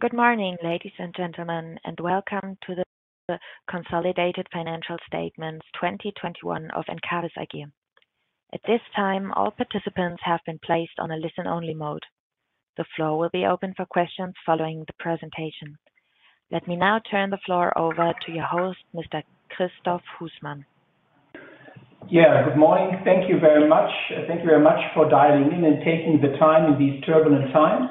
Good morning, ladies and gentlemen, and welcome to the Consolidated Financial Statements 2021 of Encavis AG. At this time, all participants have been placed on a listen-only mode. The floor will be open for questions following the presentation. Let me now turn the floor over to your host, Mr. Christoph Husmann. Yeah. Good morning. Thank you very much. Thank you very much for dialing in and taking the time in these turbulent times.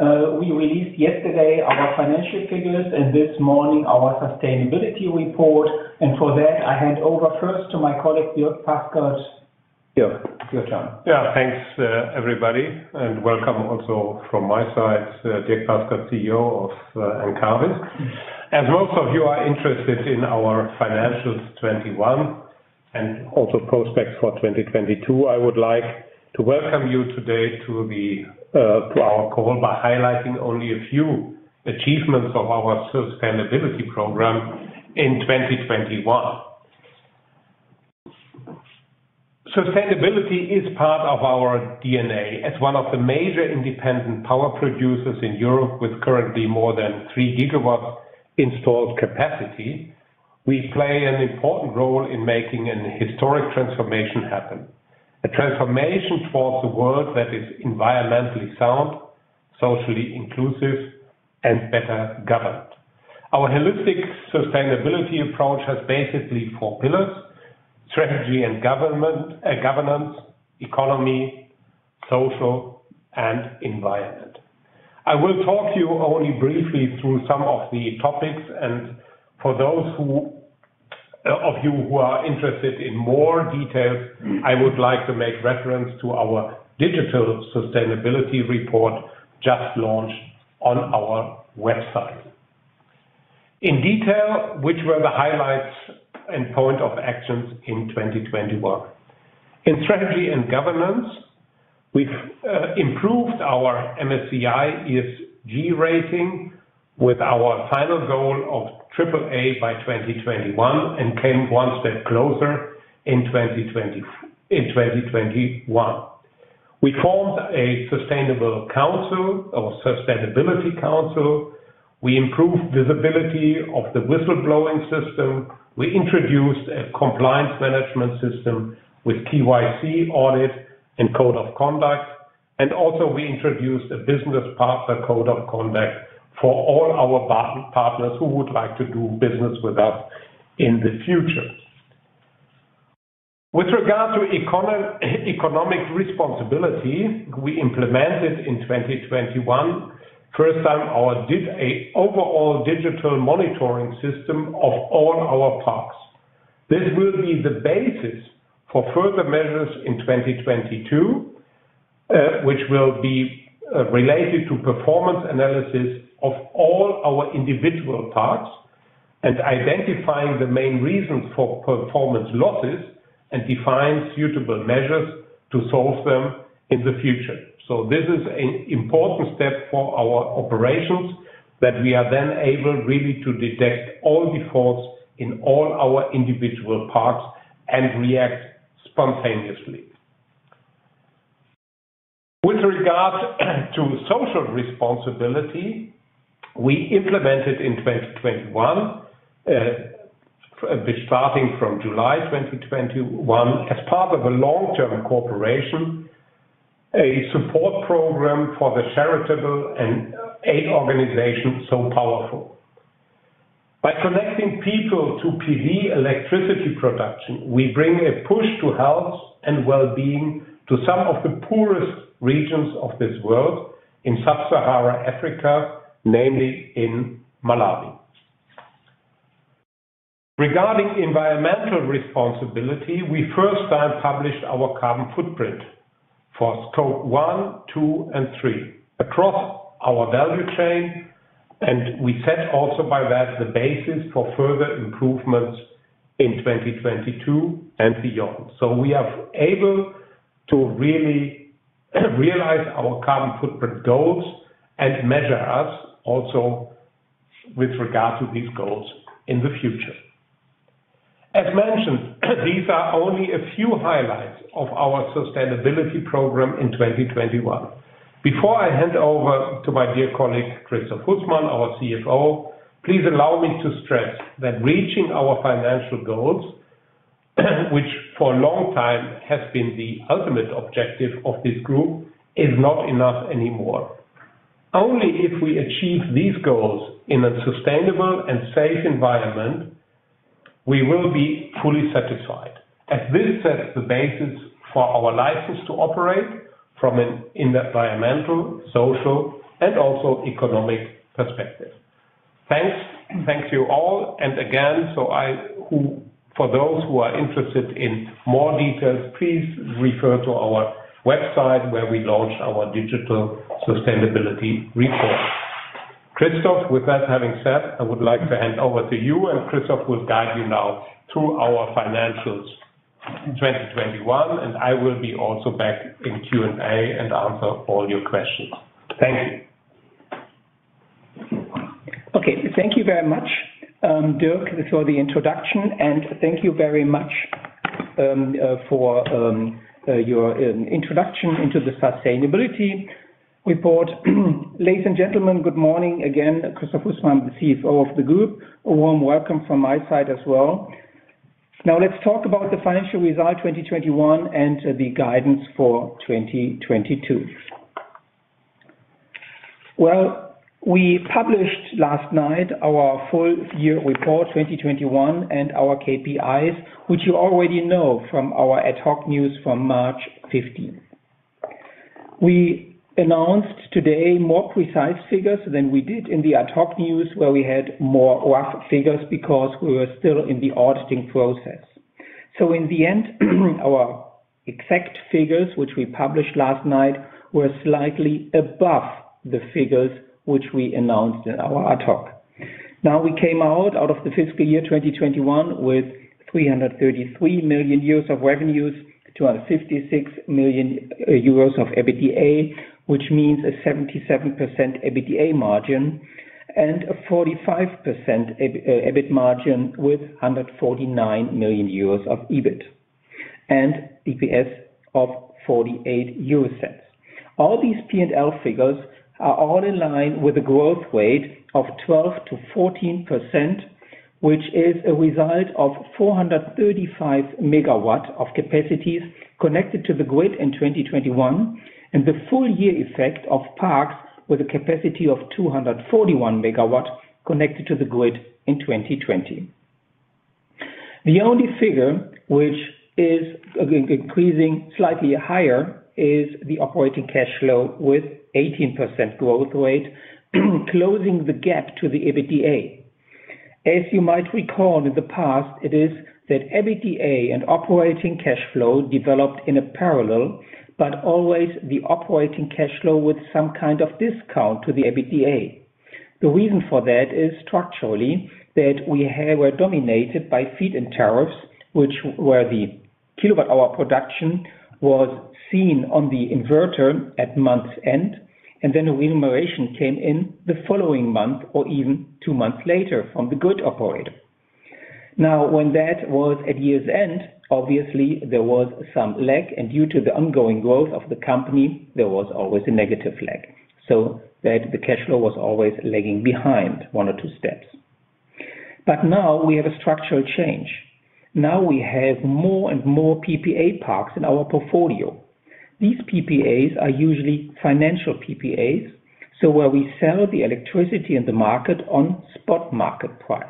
We released yesterday our financial figures and this morning our sustainability report. For that, I hand over first to my colleague, Dierk Paskert. Dirk, it's your turn. Yeah. Thanks, everybody, and welcome also from my side. Dierk Paskert, CEO of Encavis. As most of you are interested in our financials 2021 and also prospects for 2022, I would like to welcome you today to our call by highlighting only a few achievements of our sustainability program in 2021. Sustainability is part of our DNA. As one of the major independent power producers in Europe, with currently more than 3 GW installed capacity, we play an important role in making an historic transformation happen. A transformation towards a world that is environmentally sound, socially inclusive, and better governed. Our holistic sustainability approach has basically four pillars: strategy and governance, economy, social, and environment. I will talk to you only briefly through some of the topics, and for those of you who are interested in more details, I would like to make reference to our digital sustainability report just launched on our website. In detail, which were the highlights and points of action in 2021? In strategy and governance, we improved our MSCI ESG rating with our final goal of AAA by 2021 and came one step closer in 2020, in 2021. We formed a sustainable council or sustainability council. We improved visibility of the whistleblowing system. We introduced a compliance management system with KYC audit and code of conduct. Also, we introduced a business partner code of conduct for all our partners who would like to do business with us in the future. With regard to economic responsibility, we implemented in 2021, first time, our overall digital monitoring system of all our parks. This will be the basis for further measures in 2022, which will be related to performance analysis of all our individual parks and identifying the main reasons for performance losses and define suitable measures to solve them in the future. This is an important step for our operations, that we are then able really to detect all defaults in all our individual parks and react spontaneously. With regards to social responsibility, we implemented in 2021, starting from July 2021, as part of a long-term cooperation, a support program for the charitable and aid organization, SolarPower Europe. By connecting people to PV electricity production, we bring a push to health and well-being to some of the poorest regions of this world in sub-Saharan Africa, namely in Malawi. Regarding environmental responsibility, we for the first time published our carbon footprint for Scope one, two, and three across our value chain, and we set also by that the basis for further improvements in 2022 and beyond. We are able to really realize our carbon footprint goals and measure ourselves also with regard to these goals in the future. As mentioned, these are only a few highlights of our sustainability program in 2021. Before I hand over to my dear colleague, Christoph Husmann, our CFO, please allow me to stress that reaching our financial goals, which for a long time has been the ultimate objective of this group, is not enough anymore. Only if we achieve these goals in a sustainable and safe environment, we will be fully satisfied. As this sets the basis for our license to operate from an environmental, social, and also economic perspective. Thanks. Thank you all. For those who are interested in more details, please refer to our website, where we launched our digital sustainability report. Christoph, with that having said, I would like to hand over to you, and Christoph will guide you now through our financials in 2021, and I will be also back in Q&A and answer all your questions. Thank you. Okay. Thank you very much, Dierk, for the introduction, and thank you very much for your introduction into the sustainability report. Ladies and gentlemen, good morning again. Christoph Husmann, the CFO of the group. A warm welcome from my side as well. Now let's talk about the financial result 2021 and the guidance for 2022. Well, we published last night our full year report 2021 and our KPIs, which you already know from our ad hoc news from March 15. We announced today more precise figures than we did in the ad hoc news, where we had more rough figures because we were still in the auditing process. In the end, our exact figures, which we published last night, were slightly above the figures which we announced in our ad hoc. Now, we came out of the fiscal year 2021 with 333 million euros of revenues, 256 million euros of EBITDA, which means a 77% EBITDA margin and a 45% EBIT margin with 149 million euros of EBIT and EPS of 0.48. All these P&L figures are all in line with a growth rate of 12%-14%, which is a result of 435 MW of capacities connected to the grid in 2021 and the full year effect of parks with a capacity of 241 MW connected to the grid in 2020. The only figure which is, again, increasing slightly higher is the operating cash flow with 18% growth rate, closing the gap to the EBITDA. As you might recall, in the past, it is that EBITDA and operating cash flow developed in a parallel, but always the operating cash flow with some kind of discount to the EBITDA. The reason for that is structurally that we were dominated by feed-in tariffs, which were the kilowatt hour production was seen on the inverter at month's end, and then a remuneration came in the following month or even two months later from the grid operator. Now, when that was at year's end, obviously there was some lag, and due to the ongoing growth of the company, there was always a negative lag. So that the cash flow was always lagging behind one or two steps. But now we have a structural change. Now we have more and more PPA parks in our portfolio. These PPAs are usually financial PPAs, so where we sell the electricity in the market on spot market price.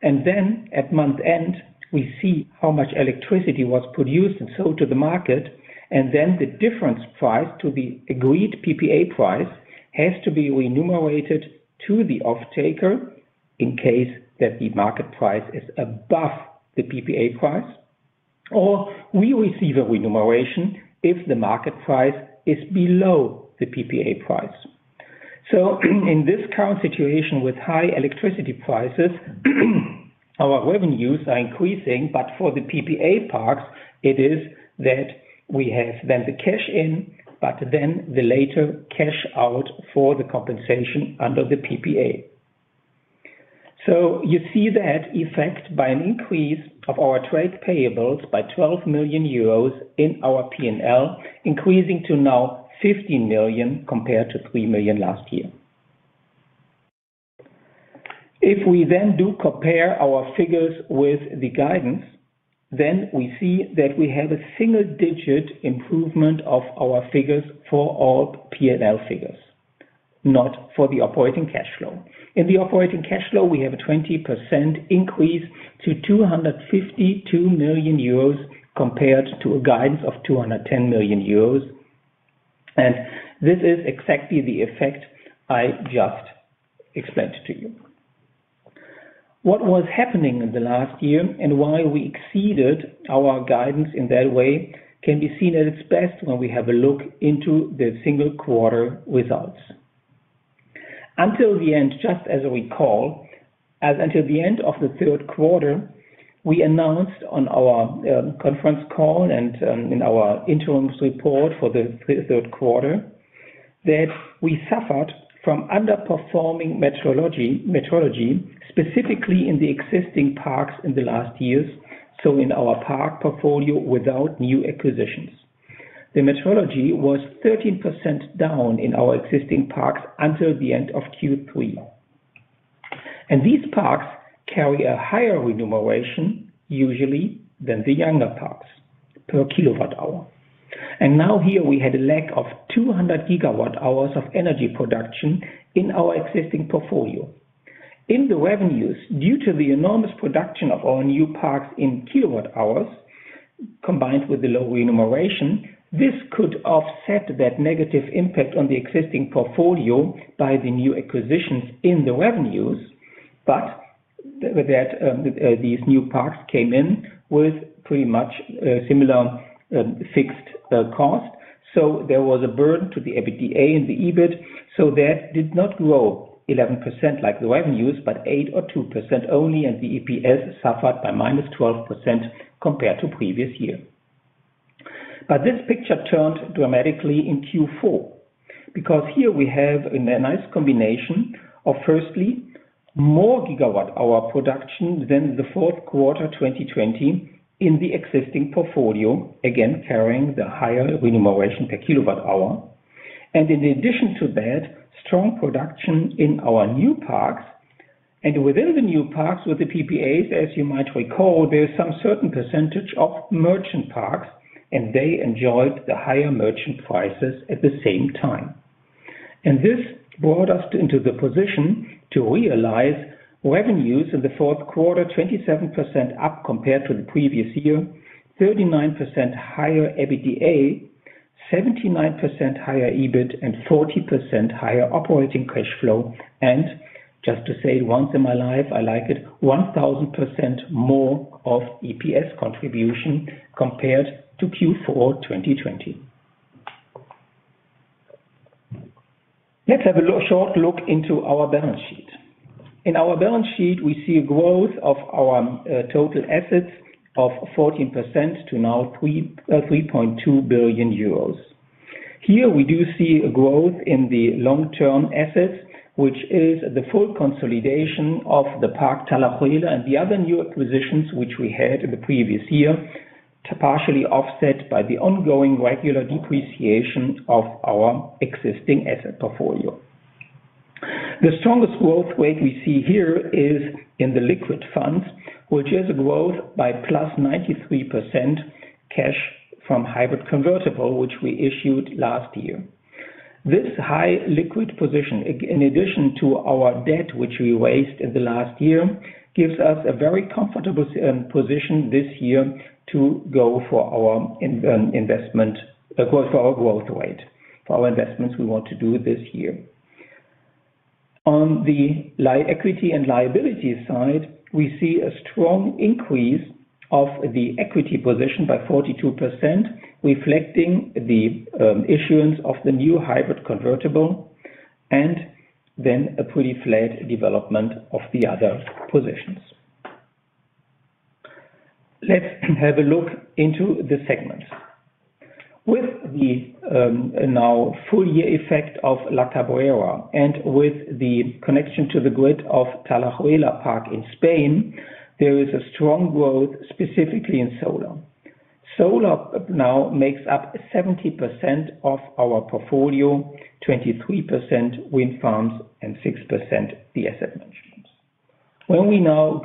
At month-end, we see how much electricity was produced and sold to the market, and then the difference price to the agreed PPA price has to be remunerated to the offtaker in case that the market price is above the PPA price, or we receive a remuneration if the market price is below the PPA price. In this current situation with high electricity prices, our revenues are increasing, but for the PPA parks, it is that we have then the cash-in, but then the later cash-out for the compensation under the PPA. You see that effect by an increase of our trade payables by 12 million euros in our P&L, increasing to now 50 million compared to 3 million last year. If we then do compare our figures with the guidance, then we see that we have a single-digit improvement of our figures for all P&L figures, not for the operating cash flow. In the operating cash flow, we have a 20% increase to 252 million euros compared to a guidance of 210 million euros, and this is exactly the effect I just explained to you. What was happening in the last year and why we exceeded our guidance in that way can be seen at its best when we have a look into the single quarter results. Until the end of the third quarter, we announced on our conference call and in our interim report for the third quarter that we suffered from underperforming meteorology, specifically in the existing parks in the last years, so in our park portfolio without new acquisitions. The meteorology was 13% down in our existing parks until the end of Q3. These parks carry a higher remuneration usually than the younger parks per kilowatt hour. Now here we had a lag of 200 GWh of energy production in our existing portfolio. In the revenues, due to the enormous production of our new parks in kilowatt hours, combined with the low remuneration, this could offset that negative impact on the existing portfolio by the new acquisitions in the revenues. That these new parks came in with pretty much similar fixed cost. There was a burden to the EBITDA and the EBIT. That did not grow 11% like the revenues, but 8.2% only, and the EPS suffered by -12% compared to previous year. This picture turned dramatically in Q4, because here we have a nice combination of firstly, more gigawatt hour production than the fourth quarter 2020 in the existing portfolio, again carrying the higher remuneration per kilowatt hour. In addition to that, strong production in our new parks. Within the new parks with the PPAs, as you might recall, there is some certain percentage of merchant parks, and they enjoyed the higher merchant prices at the same time. This brought us into the position to realize revenues in the fourth quarter, 27% up compared to the previous year, 39% higher EBITDA, 79% higher EBIT, and 40% higher operating cash flow. Just to say it once in my life, I like it, 1,000% more of EPS contribution compared to Q4 2020. Let's have a short look into our balance sheet. In our balance sheet, we see a growth of our total assets of 14% to now 3.2 billion euros. Here we do see a growth in the long-term assets, which is the full consolidation of the Talayuela and the other new acquisitions which we had in the previous year, partially offset by the ongoing regular depreciation of our existing asset portfolio. The strongest growth rate we see here is in the liquid funds, which is a growth by +93% cash from hybrid convertible, which we issued last year. This high liquid position, in addition to our debt which we raised in the last year, gives us a very comfortable position this year to go for our investment, of course, for our growth rate, for our investments we want to do this year. On the equity and liability side, we see a strong increase of the equity position by 42%, reflecting the issuance of the new hybrid convertible and then a pretty flat development of the other positions. Let's have a look into the segments. With the now full year effect of La Cabrera and with the connection to the grid of Talayuela in Spain, there is a strong growth, specifically in solar. Solar now makes up 70% of our portfolio, 23% wind farms, and 6% the asset management. When we now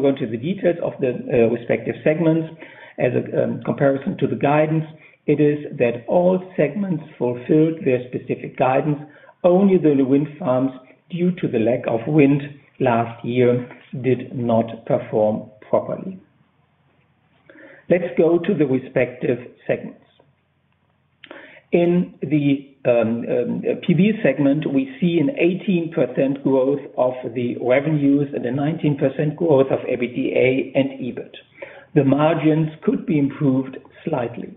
go into the details of the respective segments as a comparison to the guidance, it is that all segments fulfilled their specific guidance. Only the wind farms, due to the lack of wind last year, did not perform properly. Let's go to the respective segments. In the PV segment, we see an 18% growth of the revenues and a 19% growth of EBITDA and EBIT. The margins could be improved slightly.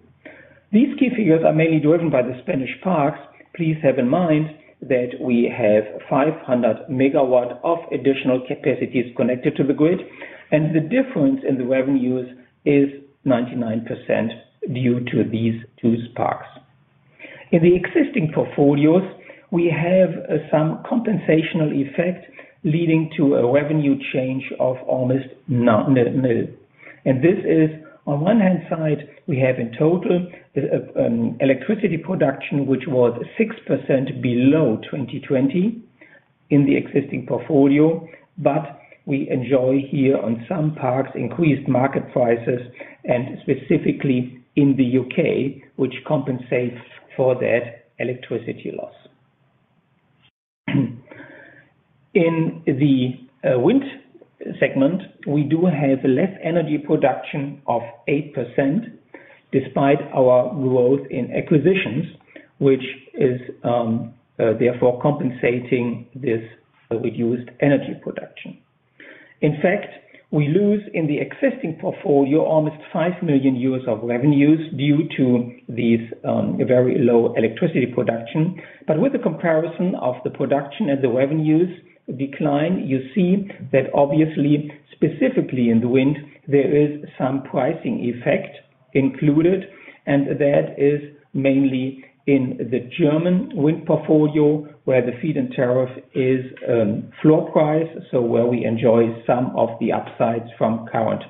These key figures are mainly driven by the Spanish parks. Please have in mind that we have 500 MW of additional capacities connected to the grid, and the difference in the revenues is 99% due to these two parks. In the existing portfolios, we have some compensational effect leading to a revenue change of almost nil. This is on one hand side, we have in total electricity production, which was 6% below 2020 in the existing portfolio. We enjoy here on some parks, increased market prices, and specifically in the U.K., which compensates for that electricity loss. In the wind segment, we do have less energy production of 8% despite our growth in acquisitions, which is therefore compensating this reduced energy production. In fact, we lose in the existing portfolio almost 5 million of revenues due to this very low electricity production. With the comparison of the production and the revenues decline, you see that obviously, specifically in the wind, there is some pricing effect included, and that is mainly in the German wind portfolio, where the feed-in tariff is floor priced, so where we enjoy some of the upsides from current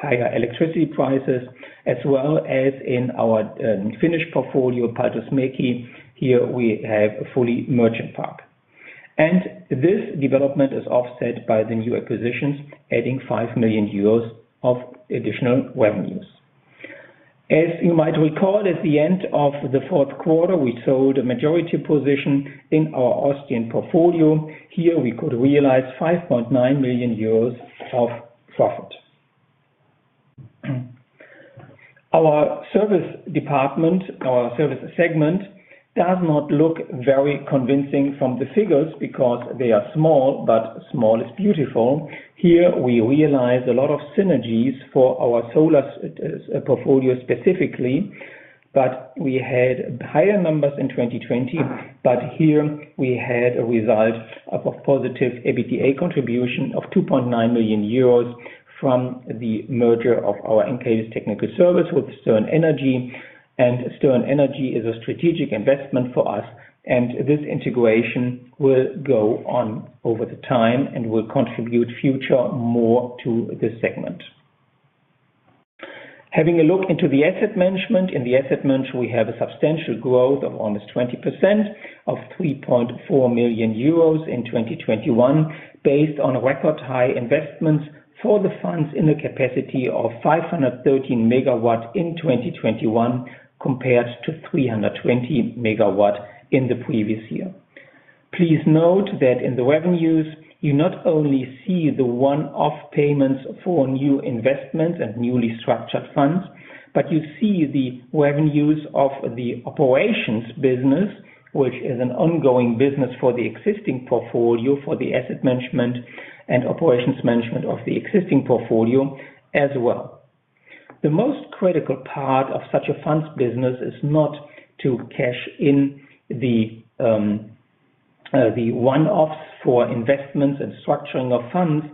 higher electricity prices, as well as in our Finnish portfolio, Paltusmäki, here we have a fully merchant park. This development is offset by the new acquisitions, adding 5 million euros of additional revenues. As you might recall, at the end of the fourth quarter, we sold a majority position in our Austrian portfolio. Here we could realize 5.9 million of profit. Our service department, our service segment, does not look very convincing from the figures because they are small, but small is beautiful. Here we realize a lot of synergies for our solar portfolio specifically. We had higher numbers in 2020, but here we had a result of a positive EBITDA contribution of 2.9 million euros from the merger of our Encavis Technical Services with Stern Energy. Stern Energy is a strategic investment for us, and this integration will go on over time and will contribute more in the future to this segment. Having a look into the asset management. In the asset management, we have a substantial growth of almost 20% of 3.4 million euros in 2021 based on record high investments for the funds in a capacity of 513 MW in 2021 compared to 320 MW in the previous year. Please note that in the revenues, you not only see the one-off payments for new investments and newly structured funds, but you see the revenues of the operations business, which is an ongoing business for the existing portfolio, for the asset management and operations management of the existing portfolio as well. The most critical part of such a funds business is not to cash in the one-offs for investments and structuring of funds,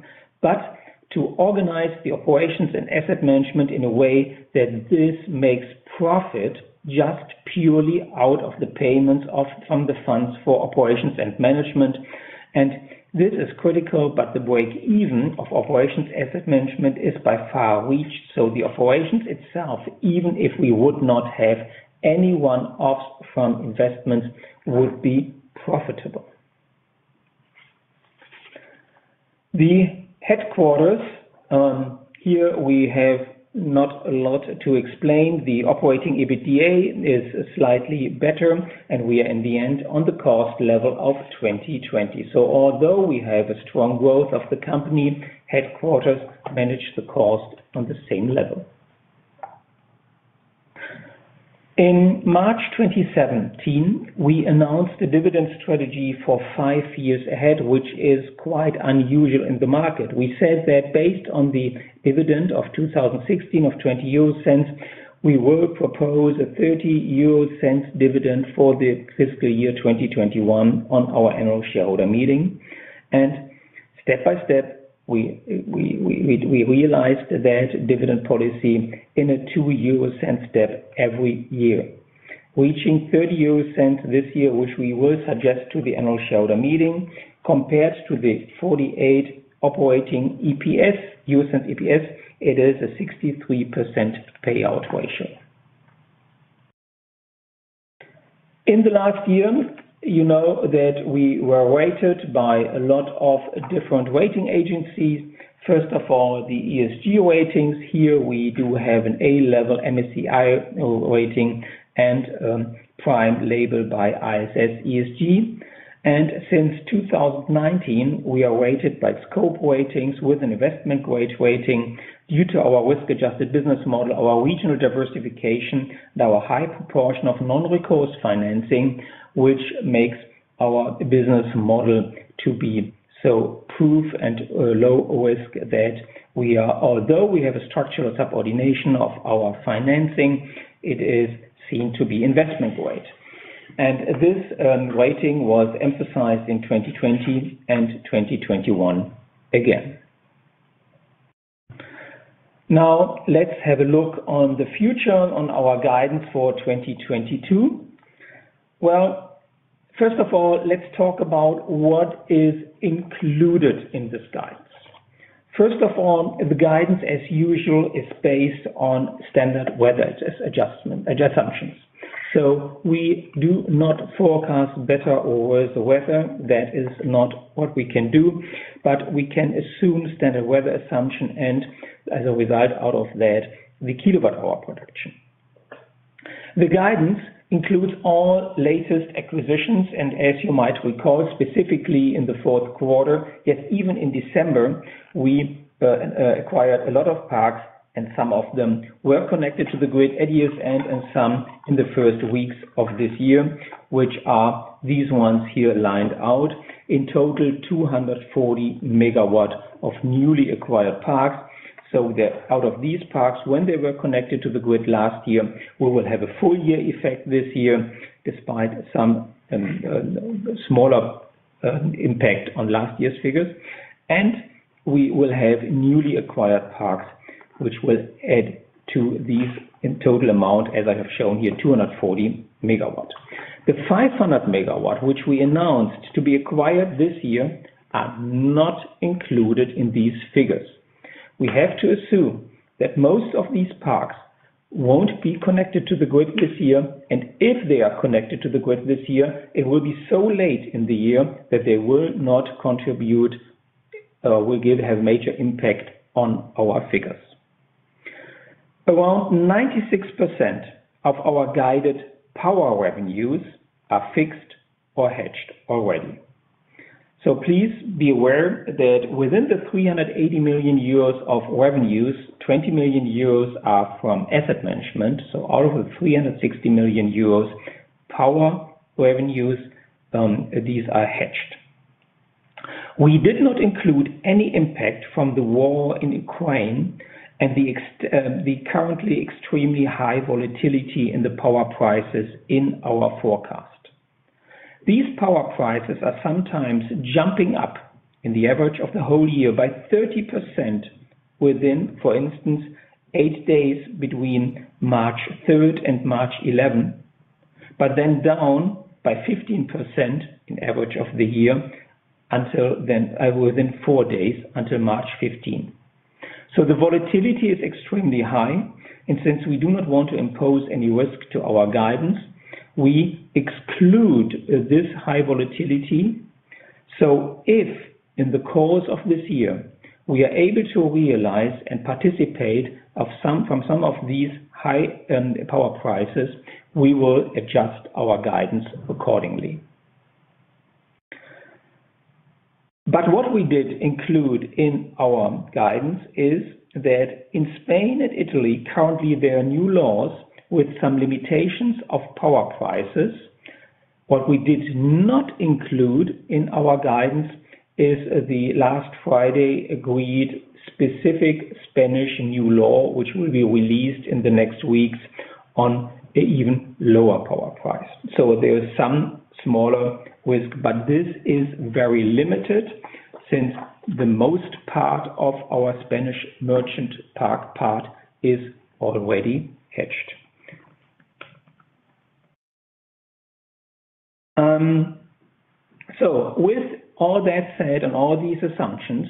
but to organize the operations and asset management in a way that this makes profit just purely out of the payments from the funds for operations and management. This is critical, but the break-even of operations asset management is by far reached. The operations itself, even if we would not have any one-offs from investments, would be profitable. The headquarters, here we have not a lot to explain. The operating EBITDA is slightly better, and we are in the end on the cost level of 2020. Although we have a strong growth of the company, headquarters manage the cost on the same level. In March 2017, we announced a dividend strategy for five years ahead, which is quite unusual in the market. We said that based on the dividend of 2016 of 0.20, we will propose a 0.30 dividend for the fiscal year 2021 on our annual shareholder meeting. Step by step, we realized that dividend policy in a 0.02 step every year, reaching 0.30 this year, which we will suggest to the annual shareholder meeting, compared to the 0.48 operating EPS, it is a 63% payout ratio. In the last year, you know that we were rated by a lot of different rating agencies. First of all, the ESG ratings. Here we do have an A level MSCI rating and prime label by ISS ESG. Since 2019, we are rated by Scope Ratings with an investment grade rating due to our risk-adjusted business model, our regional diversification, and our high proportion of non-recourse financing, which makes our business model to be so bulletproof and low risk that we are, although we have a structural subordination of our financing, it is seen to be investment grade. This rating was emphasized in 2020 and 2021 again. Now, let's have a look on the future on our guidance for 2022. Well, first of all, let's talk about what is included in this guidance. First of all, the guidance, as usual, is based on standard weather assumptions. We do not forecast better or worse weather. That is not what we can do, but we can assume standard weather assumption, and as a result out of that, the kilowatt hour production. The guidance includes all latest acquisitions, and as you might recall, specifically in the fourth quarter, yet even in December, we acquired a lot of parks, and some of them were connected to the grid at year's end and some in the first weeks of this year, which are these ones here lined out. In total, 240 MW of newly acquired parks. That out of these parks, when they were connected to the grid last year, we will have a full year effect this year, despite some smaller impact on last year's figures. We will have newly acquired parks which will add to these in total amount, as I have shown here, 240 MW. The 500 MW, which we announced to be acquired this year, are not included in these figures. We have to assume that most of these parks won't be connected to the grid this year, and if they are connected to the grid this year, it will be so late in the year that they will not contribute, will have major impact on our figures. Around 96% of our guided power revenues are fixed or hedged already. Please be aware that within the 380 million euros of revenues, 20 million euros are from asset management. Out of the 360 million euros power revenues, these are hedged. We did not include any impact from the war in Ukraine and the currently extremely high volatility in the power prices in our forecast. These power prices are sometimes jumping up in the average of the whole year by 30% within, for instance, eight days between March third and March 11th. Then down by 15% in average of the year until then within four days until March 15th. The volatility is extremely high, and since we do not want to impose any risk to our guidance, we exclude this high volatility. If in the course of this year, we are able to realize and participate from some of these high-power prices, we will adjust our guidance accordingly. What we did include in our guidance is that in Spain and Italy, currently, there are new laws with some limitations of power prices. What we did not include in our guidance is the last Friday agreed specific Spanish new law, which will be released in the next weeks on an even lower power price. There is some smaller risk, but this is very limited since the most part of our Spanish merchant park part is already hedged. With all that said and all these assumptions,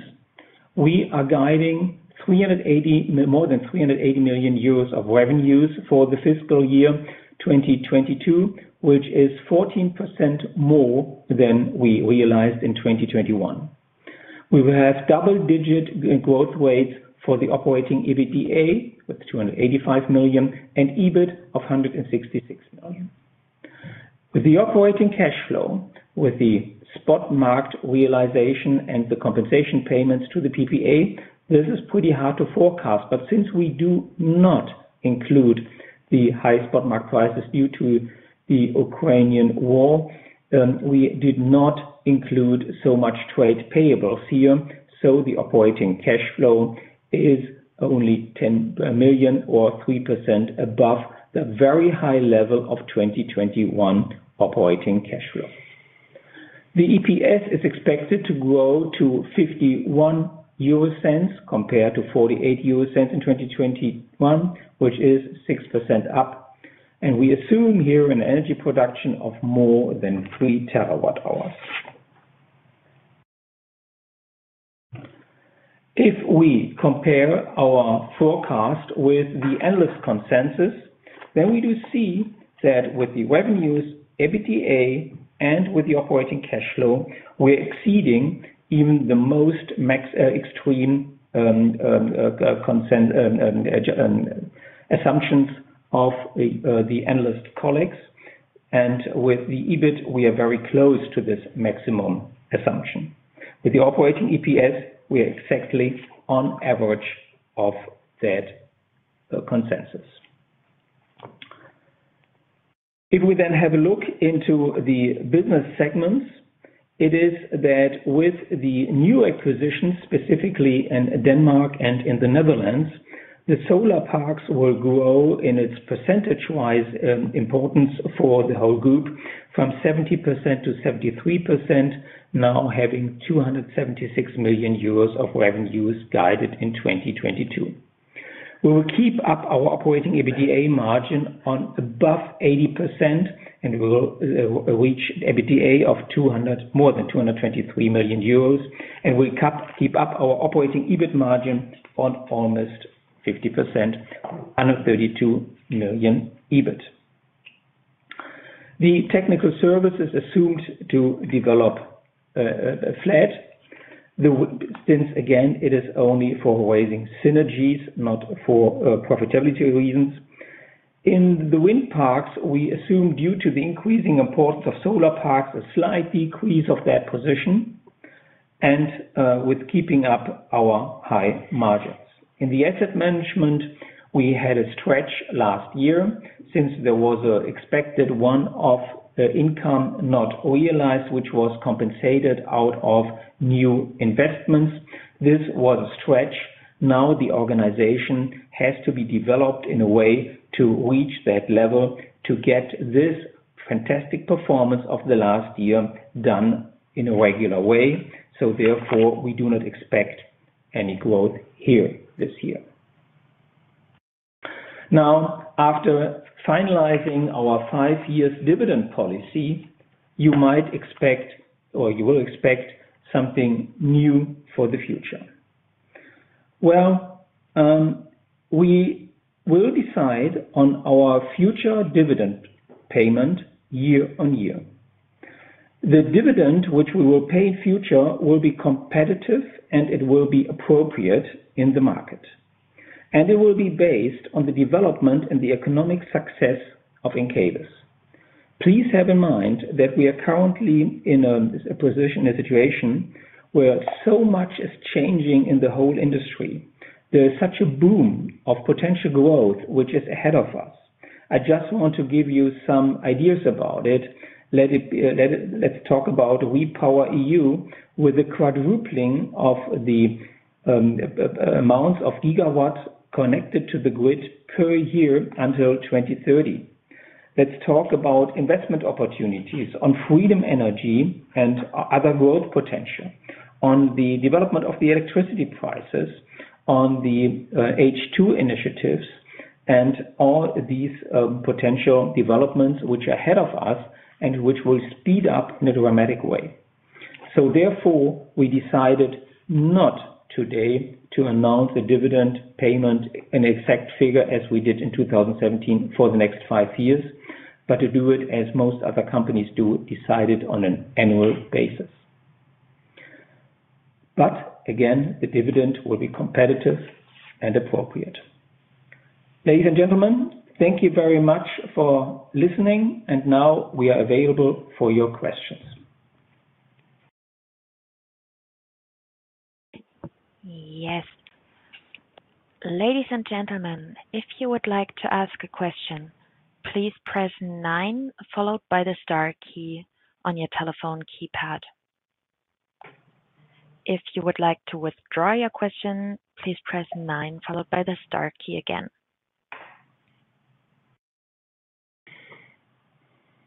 we are guiding more than 380 million of revenues for the fiscal year 2022, which is 14% more than we realized in 2021. We will have double-digit growth rates for the operating EBITDA, with 285 million and EBIT of 166 million. With the operating cash flow, with the spot market realization and the compensation payments to the PPA, this is pretty hard to forecast. Since we do not include the high spot market prices due to the Ukrainian war, then we did not include so much trade payables here, so the operating cash flow is only 10 million or 3% above the very high-level of 2021 operating cash flow. The EPS is expected to grow to 0.51 EUR compared to 0.48 EUR in 2021, which is 6% up. We assume here an energy production of more than 3 TWh. If we compare our forecast with the analyst consensus, we do see that with the revenues, EBITDA, and with the operating cash flow, we're exceeding even the most maximum assumptions of the analyst colleagues. With the EBIT, we are very close to this maximum assumption. With the operating EPS, we are exactly on average of that consensus. If we have a look into the business segments, it is that with the new acquisitions, specifically in Denmark and in the Netherlands, the solar parks will grow in its percentage-wise importance for the whole group from 70%-73%, now having 276 million euros of revenues guided in 2022. We will keep up our operating EBITDA margin on above 80%, and we will reach EBITDA of more than 223 million euros, and we keep up our operating EBIT margin on almost 50%, 132 million EBIT. The technical services assumed to develop flat. Since again, it is only for realizing synergies, not for profitability reasons. In the wind parks, we assume due to the increasing importance of solar parks, a slight decrease of that position, and with keeping up our high margins. In the asset management, we had a stretch last year since there was an expected income not realized, which was compensated out of new investments. This was a stretch. Now the organization has to be developed in a way to reach that level, to get this fantastic performance of the last year done in a regular way. Therefore, we do not expect any growth here this year. Now, after finalizing our five years dividend policy, you might expect or you will expect something new for the future. Well, we will decide on our future dividend payment year on year. The dividend which we will pay in future will be competitive, and it will be appropriate in the market, and it will be based on the development and the economic success of Encavis. Please have in mind that we are currently in a position, a situation where so much is changing in the whole industry. There is such a boom of potential growth which is ahead of us. I just want to give you some ideas about it. Let's talk about REPowerEU with the quadrupling of the amount of gigawatts connected to the grid per year until 2030. Let's talk about investment opportunities on freedom energies and other growth potential, on the development of the electricity prices, on the H2 initiatives, and all these potential developments which are ahead of us and which will speed up in a dramatic way. Therefore, we decided not today to announce a dividend payment, an exact figure as we did in 2017 for the next five years, but to do it as most other companies do, decide it on an annual basis. Again, the dividend will be competitive and appropriate. Ladies and gentlemen, thank you very much for listening, and now we are available for your questions.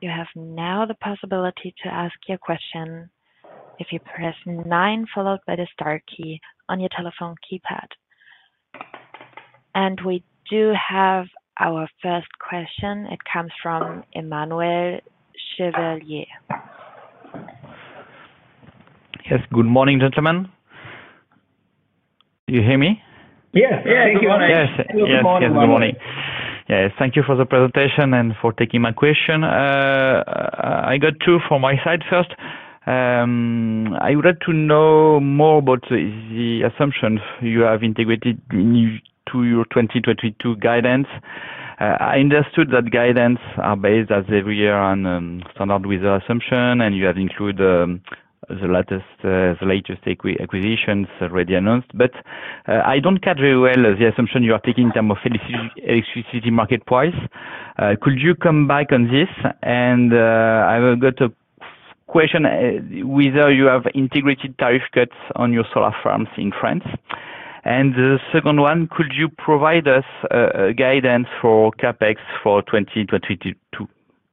We do have our first question. It comes from Emmanuel Chevalier. Yes. Good morning, gentlemen. Do you hear me? Yes. Yes. Good morning. Yes. Good morning. Yes, thank you for the presentation and for taking my question. I got two from my side. First, I would like to know more about the assumption you have integrated into your 2022 guidance. I understood that guidance are based as every year on standard assumptions, and you have included the latest acquisitions already announced. I don't capture well the assumption you are taking in terms of electricity market price. Could you come back on this? I've got a question whether you have integrated tariff cuts on your solar farms in France. The second one, could you provide us a guidance for CapEx for 2022?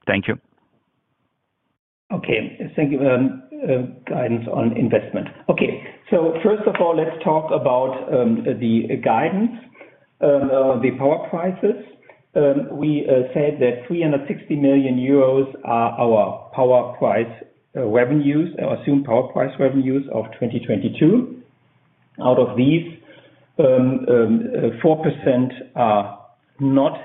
Thank you. Okay. Thank you. Guidance on investment. Okay. First of all, let's talk about the guidance, the power prices. We said that 360 million euros are our power price revenues or assumed power price revenues of 2022. Out of these, 4% are not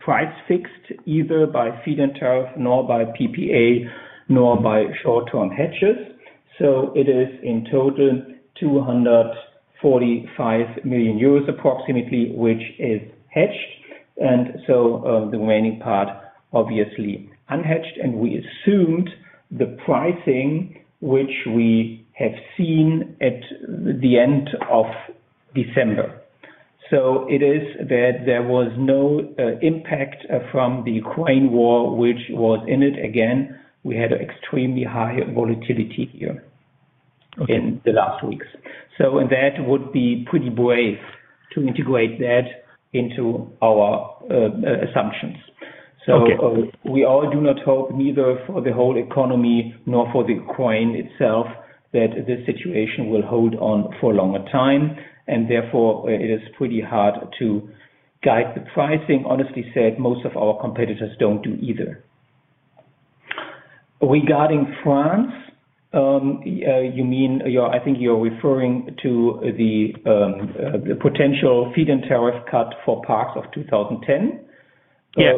price-fixed either by feed-in tariff, nor by PPA, nor by short-term hedges. It is in total approximately 245 million euros, which is hedged. The remaining part obviously unhedged, and we assumed the pricing which we have seen at the end of December. It is that there was no impact from the Ukraine war, which was in it. Again, we had extremely high volatility here. Okay. In the last weeks. That would be pretty brave to integrate that into our assumptions. Okay. We all do not hope neither for the whole economy nor for the zone itself that this situation will hold on for a longer time, and therefore, it is pretty hard to guide the pricing. Honestly said, most of our competitors don't do either. Regarding France, you're, I think you're referring to the potential feed-in tariff cut for parks of 2010. Yeah.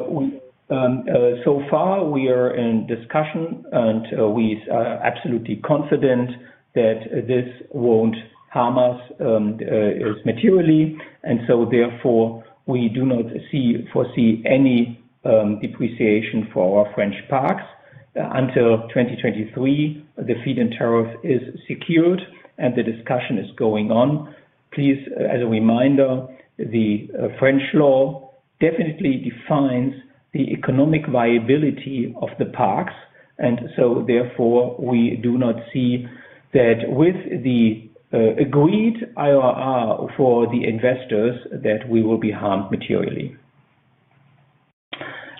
So far, we are in discussion, and we are absolutely confident that this won't harm us materially. We do not foresee any depreciation for our French parks. Until 2023, the feed-in tariff is secured, and the discussion is going on. Please, as a reminder, the French law definitely defines the economic viability of the parks. We do not see that with the agreed IRR for the investors that we will be harmed materially.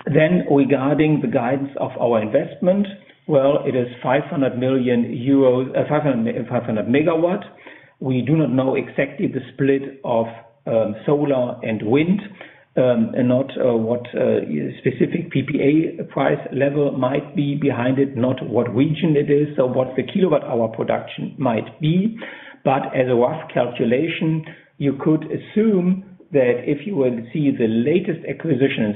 Regarding the guidance of our investment, well, it is 500 million euros – 500 MW. We do not know exactly the split of solar and wind, and not what specific PPA price level might be behind it, not what region it is or what the kilowatt-hour production might be. As a rough calculation, you could assume that if you will see the latest acquisition in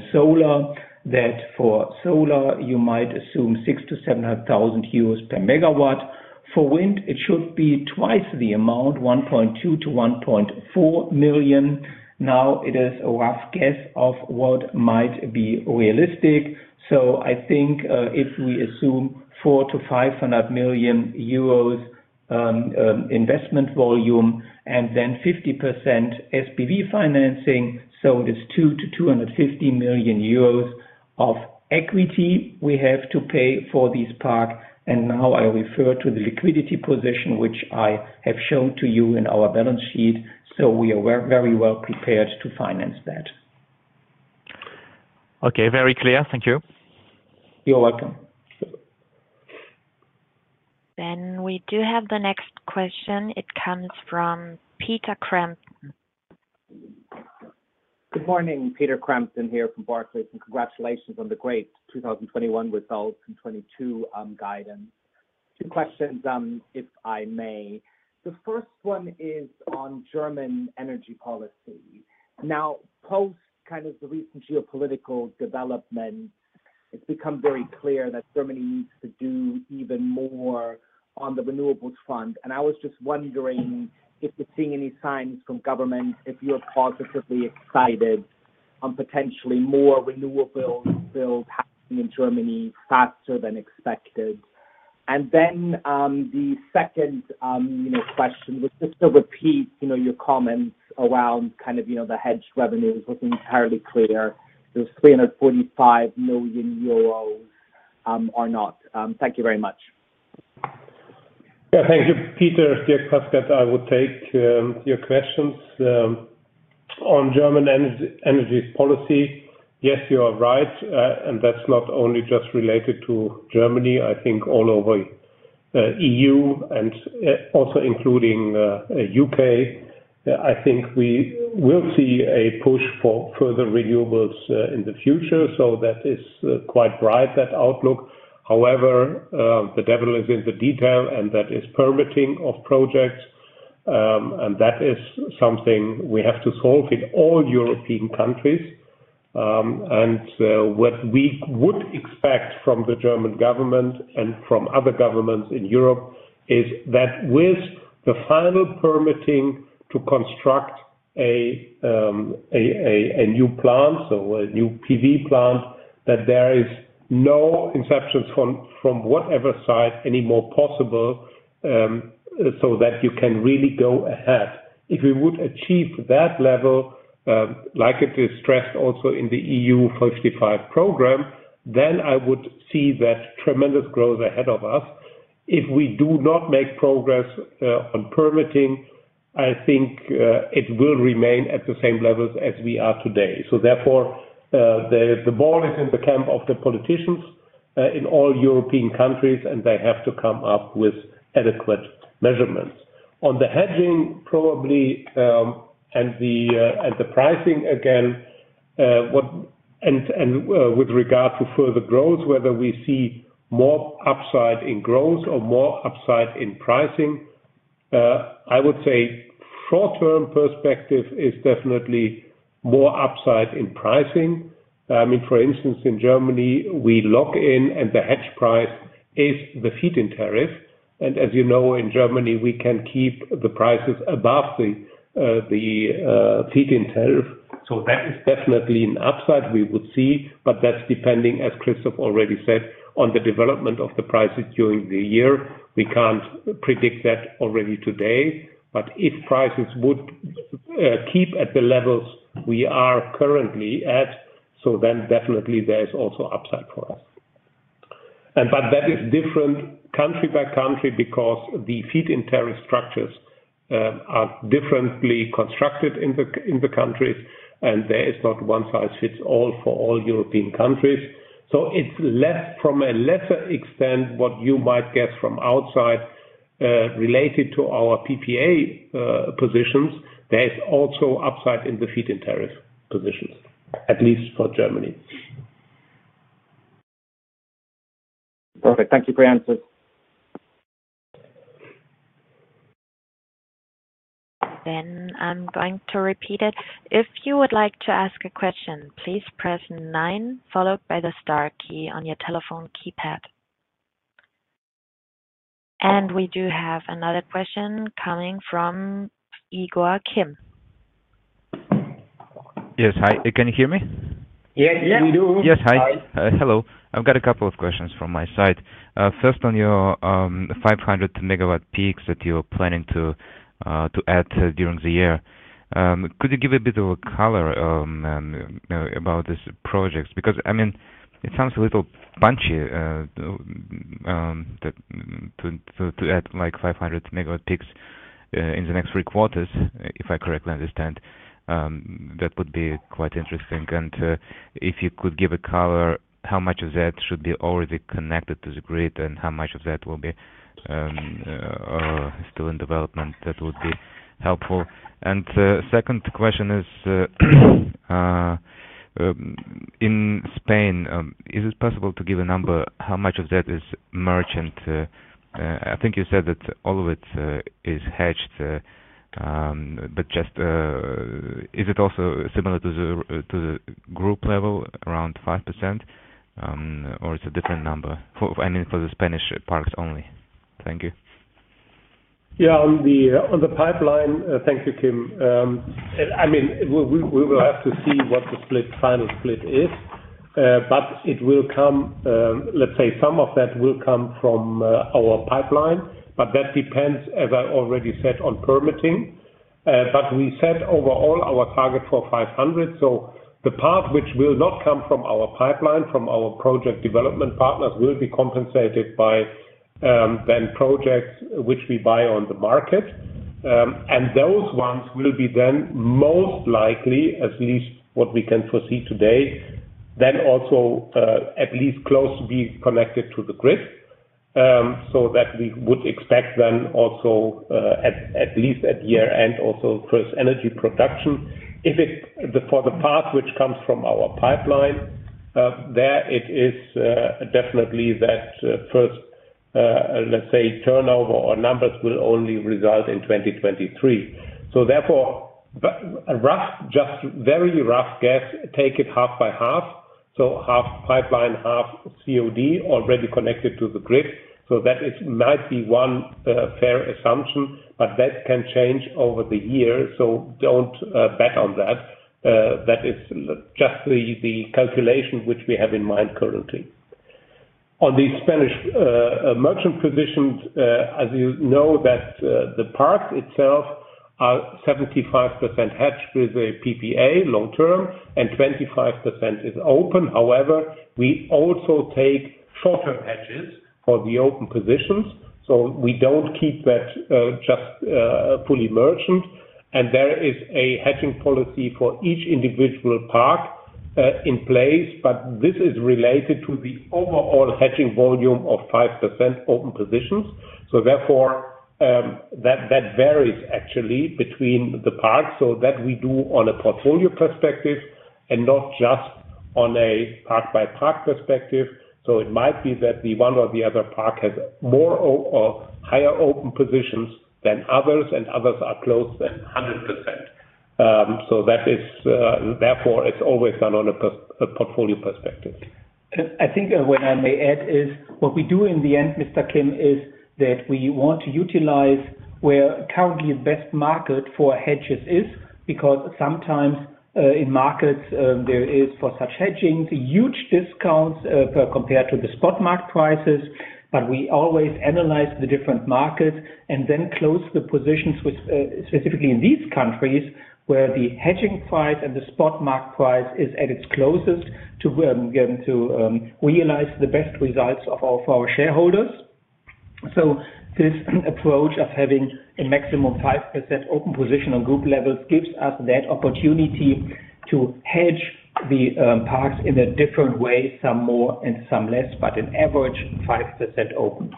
solar, that for solar, you might assume 600,000-700,000 euros per megawatt. For wind, it should be twice the amount, 1.2 million-1.4 million. Now it is a rough guess of what might be realistic. I think, if we assume 400 million-500 million euros investment volume and then 50% SPV financing, it is 200 million-250 million euros of equity we have to pay for this part. Now I refer to the liquidity position, which I have shown to you in our balance sheet. We are very well prepared to finance that. Okay. Very clear. Thank you. You're welcome. We do have the next question. It comes from Peter Crampton. Good morning. Peter Crampton here from Barclays. Congratulations on the great 2021 results and 2022 guidance. Two questions, if I may. The first one is on German energy policy. Now, post kind of the recent geopolitical development, it's become very clear that Germany needs to do even more on the renewables front. I was just wondering if you're seeing any signs from government, if you are positively excited on potentially more renewable bills passing in Germany faster than expected. Then the second question was just to repeat, you know, your comments around kind of, you know, the hedged revenues wasn't entirely clear. Those 345 million euros or not. Thank you very much. Yeah, thank you. Peter, Dierk Paskert. I would take your questions on German energy policy. Yes, you are right. That's not only just related to Germany. I think all over E.U. and also including U.K. I think we will see a push for further renewables in the future. That is quite bright, that outlook. However, the devil is in the detail, and that is permitting of projects. That is something we have to solve in all European countries. What we would expect from the German government and from other governments in Europe is that with the final permitting to construct a new plant or a new PV plant, that there is no injunctions from whatever side anymore possible, so that you can really go ahead. If we would achieve that level, like it is stressed also in the Fit for 55, then I would see that tremendous growth ahead of us. If we do not make progress on permitting, I think it will remain at the same levels as we are today. Therefore, the ball is in the camp of the politicians in all European countries, and they have to come up with adequate measures. On the hedging, probably, and the pricing again, and with regard to further growth, whether we see more upside in growth or more upside in pricing, I would say short-term perspective is definitely more upside in pricing. I mean, for instance, in Germany, we lock in and the hedge price is the feed-in tariff. As you know, in Germany, we can keep the prices above the feed-in tariff. That is definitely an upside we would see. That's depending, as Christoph already said, on the development of the prices during the year. We can't predict that already today. If prices would keep at the levels we are currently at, so then definitely there is also upside for us. That is different country by country because the feed-in tariff structures are differently constructed in the countries, and there is not one size fits all for all European countries. It's less, to a lesser extent, what you might get from outside related to our PPA positions. There is also upside in the feed-in tariff positions, at least for Germany. Perfect. Thank you for your answers. I'm going to repeat it. If you would like to ask a question. Please press nine, followed by the star key on your telephone keypad. And we do have another question coming from Igor Kim. Yes. Hi. Can you hear me? Yes, we do. Yes. Hi. Hello. I've got a couple of questions from my side. First on your 500 MWp that you're planning to add during the year. Could you give a bit of a color about these projects? Because I mean it sounds a little punchy to add like 500 MWp in the next three quarters if I correctly understand. That would be quite interesting. If you could give a color how much of that should be already connected to the grid and how much of that will be still in development that would be helpful. The second question is in Spain is it possible to give a number how much of that is merchant. I think you said that all of it is hedged. Just, is it also similar to the group level, around 5%? Or it's a different number? I mean, for the Spanish parks only. Thank you. On the pipeline. Thank you, Kim. I mean, we will have to see what the split, final split is. It will come, let's say some of that will come from our pipeline, but that depends, as I already said, on permitting. We set overall our target for 500. The part which will not come from our pipeline, from our project development partners, will be compensated by then projects which we buy on the market. Those ones will be then most likely, at least what we can foresee today, then also at least close to be connected to the grid. We would expect then also at least at year-end also first energy production. For the part which comes from our pipeline, there it is definitely the first, let's say, turnover or numbers will only result in 2023. A rough, just very rough guess, take it half by half, so half pipeline, half COD already connected to the grid. That might be one fair assumption, but that can change over the years, so don't bet on that. That is just the calculation which we have in mind currently. On the Spanish merchant positions, as you know that, the parks itself are 75% hedged with a PPA long term and 25% is open. However, we also take short-term hedges for the open positions, so we don't keep that just fully merchant. There is a hedging policy for each individual park in place. This is related to the overall hedging volume of 5% open positions. That varies actually between the parks that we do on a portfolio perspective and not just on a park-by-park perspective. It might be that the one or the other park has more or higher open positions than others, and others are closer to 100%. Therefore it's always done on a portfolio perspective. I think what I may add is what we do in the end, Mr. Kim, is that we want to utilize the currently best market for hedges is because sometimes, in markets, there is for such hedging, huge discounts, as compared to the spot market prices. We always analyze the different markets and then close the positions, specifically in these countries where the hedging price and the spot market price is at its closest to realize the best results of all for our shareholders. This approach of having a maximum 5% open position on group levels gives us that opportunity to hedge the parks in a different way, some more and some less, but an average 5% open.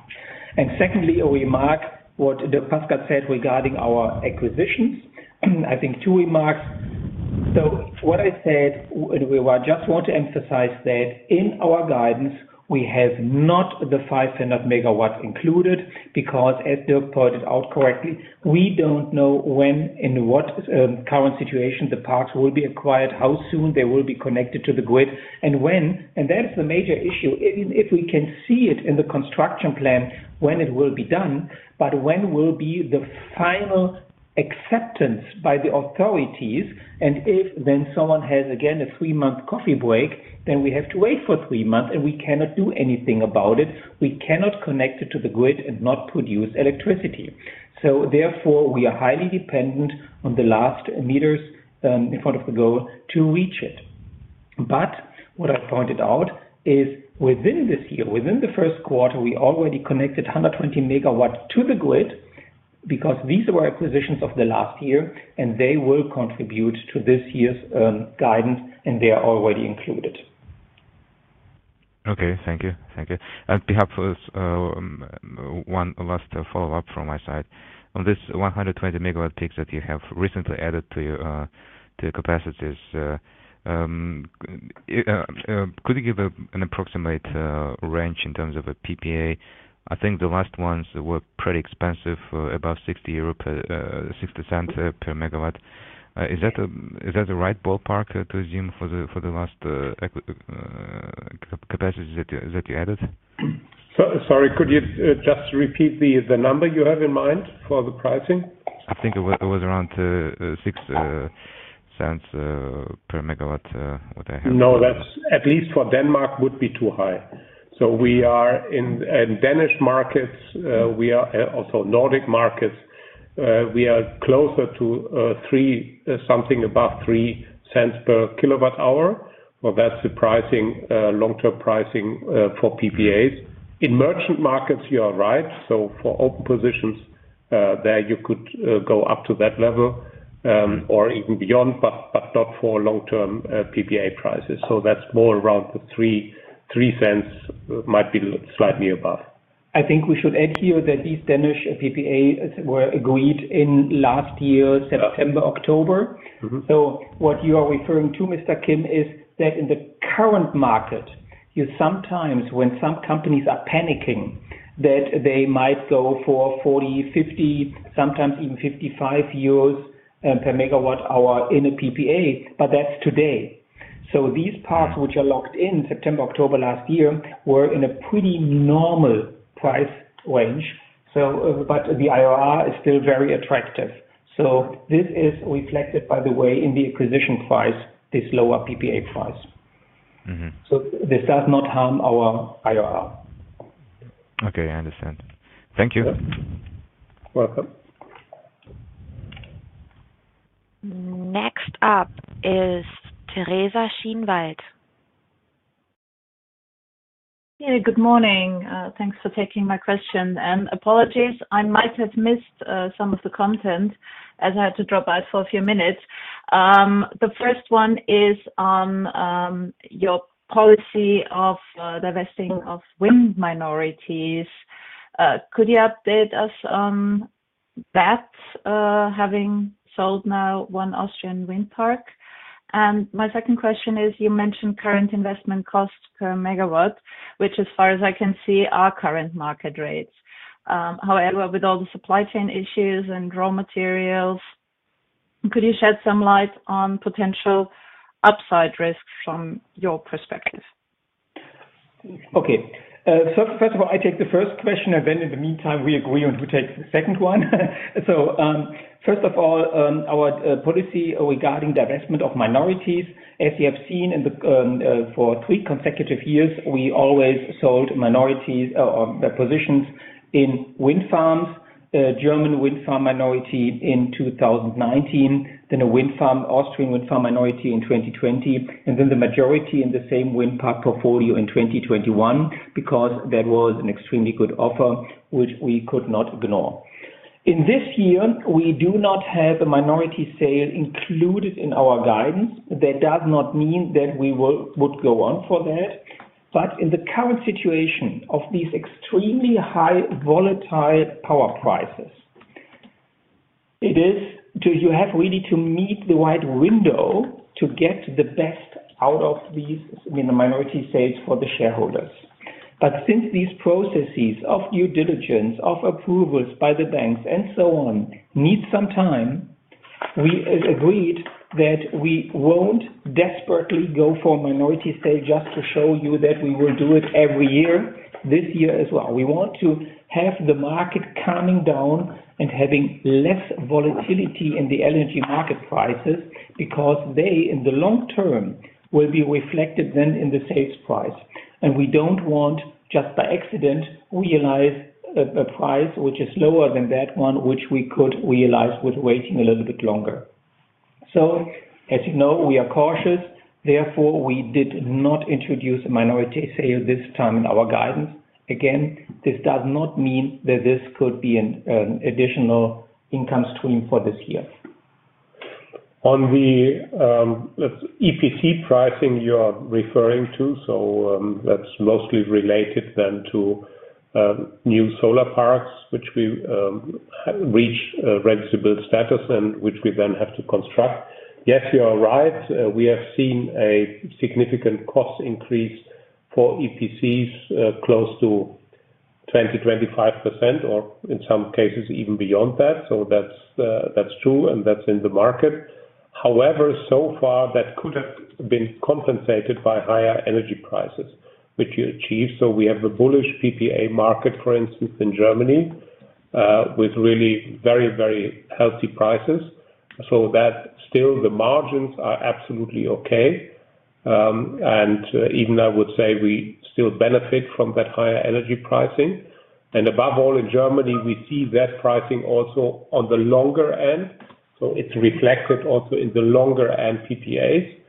Secondly, a remark what Dierk Paskert said regarding our acquisitions. I think two remarks. What I said, we just want to emphasize that in our guidance we have not the 500 MW included because as Dierk pointed out correctly, we don't know when, in what current situation the parks will be acquired, how soon they will be connected to the grid and when. That's the major issue. If we can see it in the construction plan, when it will be done, but when will be the final acceptance by the authorities, and if then someone has again a three-month coffee break, then we have to wait for three months and we cannot do anything about it. We cannot connect it to the grid and not produce electricity. Therefore, we are highly dependent on the last meters in front of the goal to reach it. What I pointed out is within this year, within the first quarter, we already connected 120 MW to the grid because these were acquisitions of the last year and they will contribute to this year's guidance and they are already included. Okay. Thank you. That'd be helpful. One last follow-up from my side. On this 120 MWp that you have recently added to your capacities, could you give an approximate range in terms of a PPA? I think the last ones were pretty expensive, above 60 euro/MWh. Is that the right ballpark to assume for the last capacity that you added? Sorry, could you just repeat the number you have in mind for the pricing? I think it was around 0.06 per MW what I have. No, that's at least for Denmark would be too high. We are in Danish markets. We are also in Nordic markets. We are closer to three, something above 0.03 per kWh. Well, that's the pricing, long-term pricing, for PPAs. In merchant markets, you are right. For open positions, there you could go up to that level, or even beyond, but not for long-term PPA prices. That's more around 0.03, might be slightly above. I think we should add here that these Danish PPAs were agreed in last year, September, October. Mm-hmm. What you are referring to, Mr. Kim, is that in the current market, you sometimes, when some companies are panicking, that they might go for 40, 50, sometimes even 55 euros per MWh in a PPA, but that's today. These parts which are locked in September, October last year were in a pretty normal price range. But the IRR is still very attractive. This is reflected, by the way, in the acquisition price, these lower PPA price. Mm-hmm. This does not harm our IRR. Okay, I understand. Thank you. Welcome. Next up is Teresa Schinwald. Yeah. Good morning. Thanks for taking my question. Apologies, I might have missed some of the content as I had to drop out for a few minutes. The first one is on your policy of divesting of wind minorities. Could you update us on that, having sold now one Austrian wind park? My second question is, you mentioned current investment cost per megawatt, which as far as I can see, are current market rates. However, with all the supply chain issues and raw materials, could you shed some light on potential upside risks from your perspective? Okay. First of all, I take the first question, and then in the meantime we agree on who takes the second one. First of all, our policy regarding divestment of minorities. As you have seen, for three consecutive years, we always sold minorities or the positions in wind farms. German wind farm minority in 2019, then a wind farm, Austrian wind farm minority in 2020, and then the majority in the same wind park portfolio in 2021, because that was an extremely good offer, which we could not ignore. In this year, we do not have a minority sale included in our guidance. That does not mean that we will go on for that. In the current situation of these extremely high volatile power prices, it is you have really to meet the right window to get the best out of these, I mean, the minority sales for the shareholders. Since these processes of due diligence, of approvals by the banks and so on need some time, we have agreed that we won't desperately go for a minority sale just to show you that we will do it every year, this year as well. We want to have the market calming down and having less volatility in the energy market prices, because they, in the long term, will be reflected then in the sales price. We don't want, just by accident, realize a price which is lower than that one, which we could realize with waiting a little bit longer. As you know, we are cautious, therefore, we did not introduce a minority sale this time in our guidance. Again, this does not mean that this could be an additional income stream for this year. On the EPC pricing you are referring to, that's mostly related then to new solar parks which we have reached ready-to-build status and which we then have to construct. Yes, you are right. We have seen a significant cost increase for EPCs close to 20%-25% or in some cases even beyond that. That's true, and that's in the market. However, so far that could have been compensated by higher energy prices, which you achieve. We have a bullish PPA market, for instance, in Germany, with really very, very healthy prices. That still, the margins are absolutely okay. Even I would say we still benefit from that higher energy pricing. Above all, in Germany, we see that pricing also on the longer end. It's reflected also in the longer end PPAs.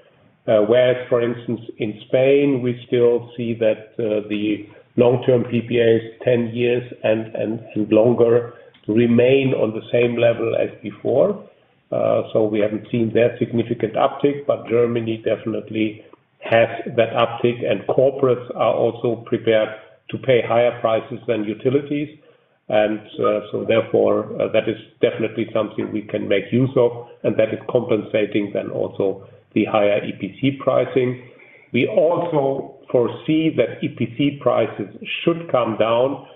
Whereas for instance in Spain, we still see that the long-term PPAs, 10 years and longer remain on the same level as before. We haven't seen that significant uptick, but Germany definitely has that uptick, and corporates are also prepared to pay higher prices than utilities. Therefore, that is definitely something we can make use of and that is compensating then also the higher EPC pricing. We also foresee that EPC prices should come down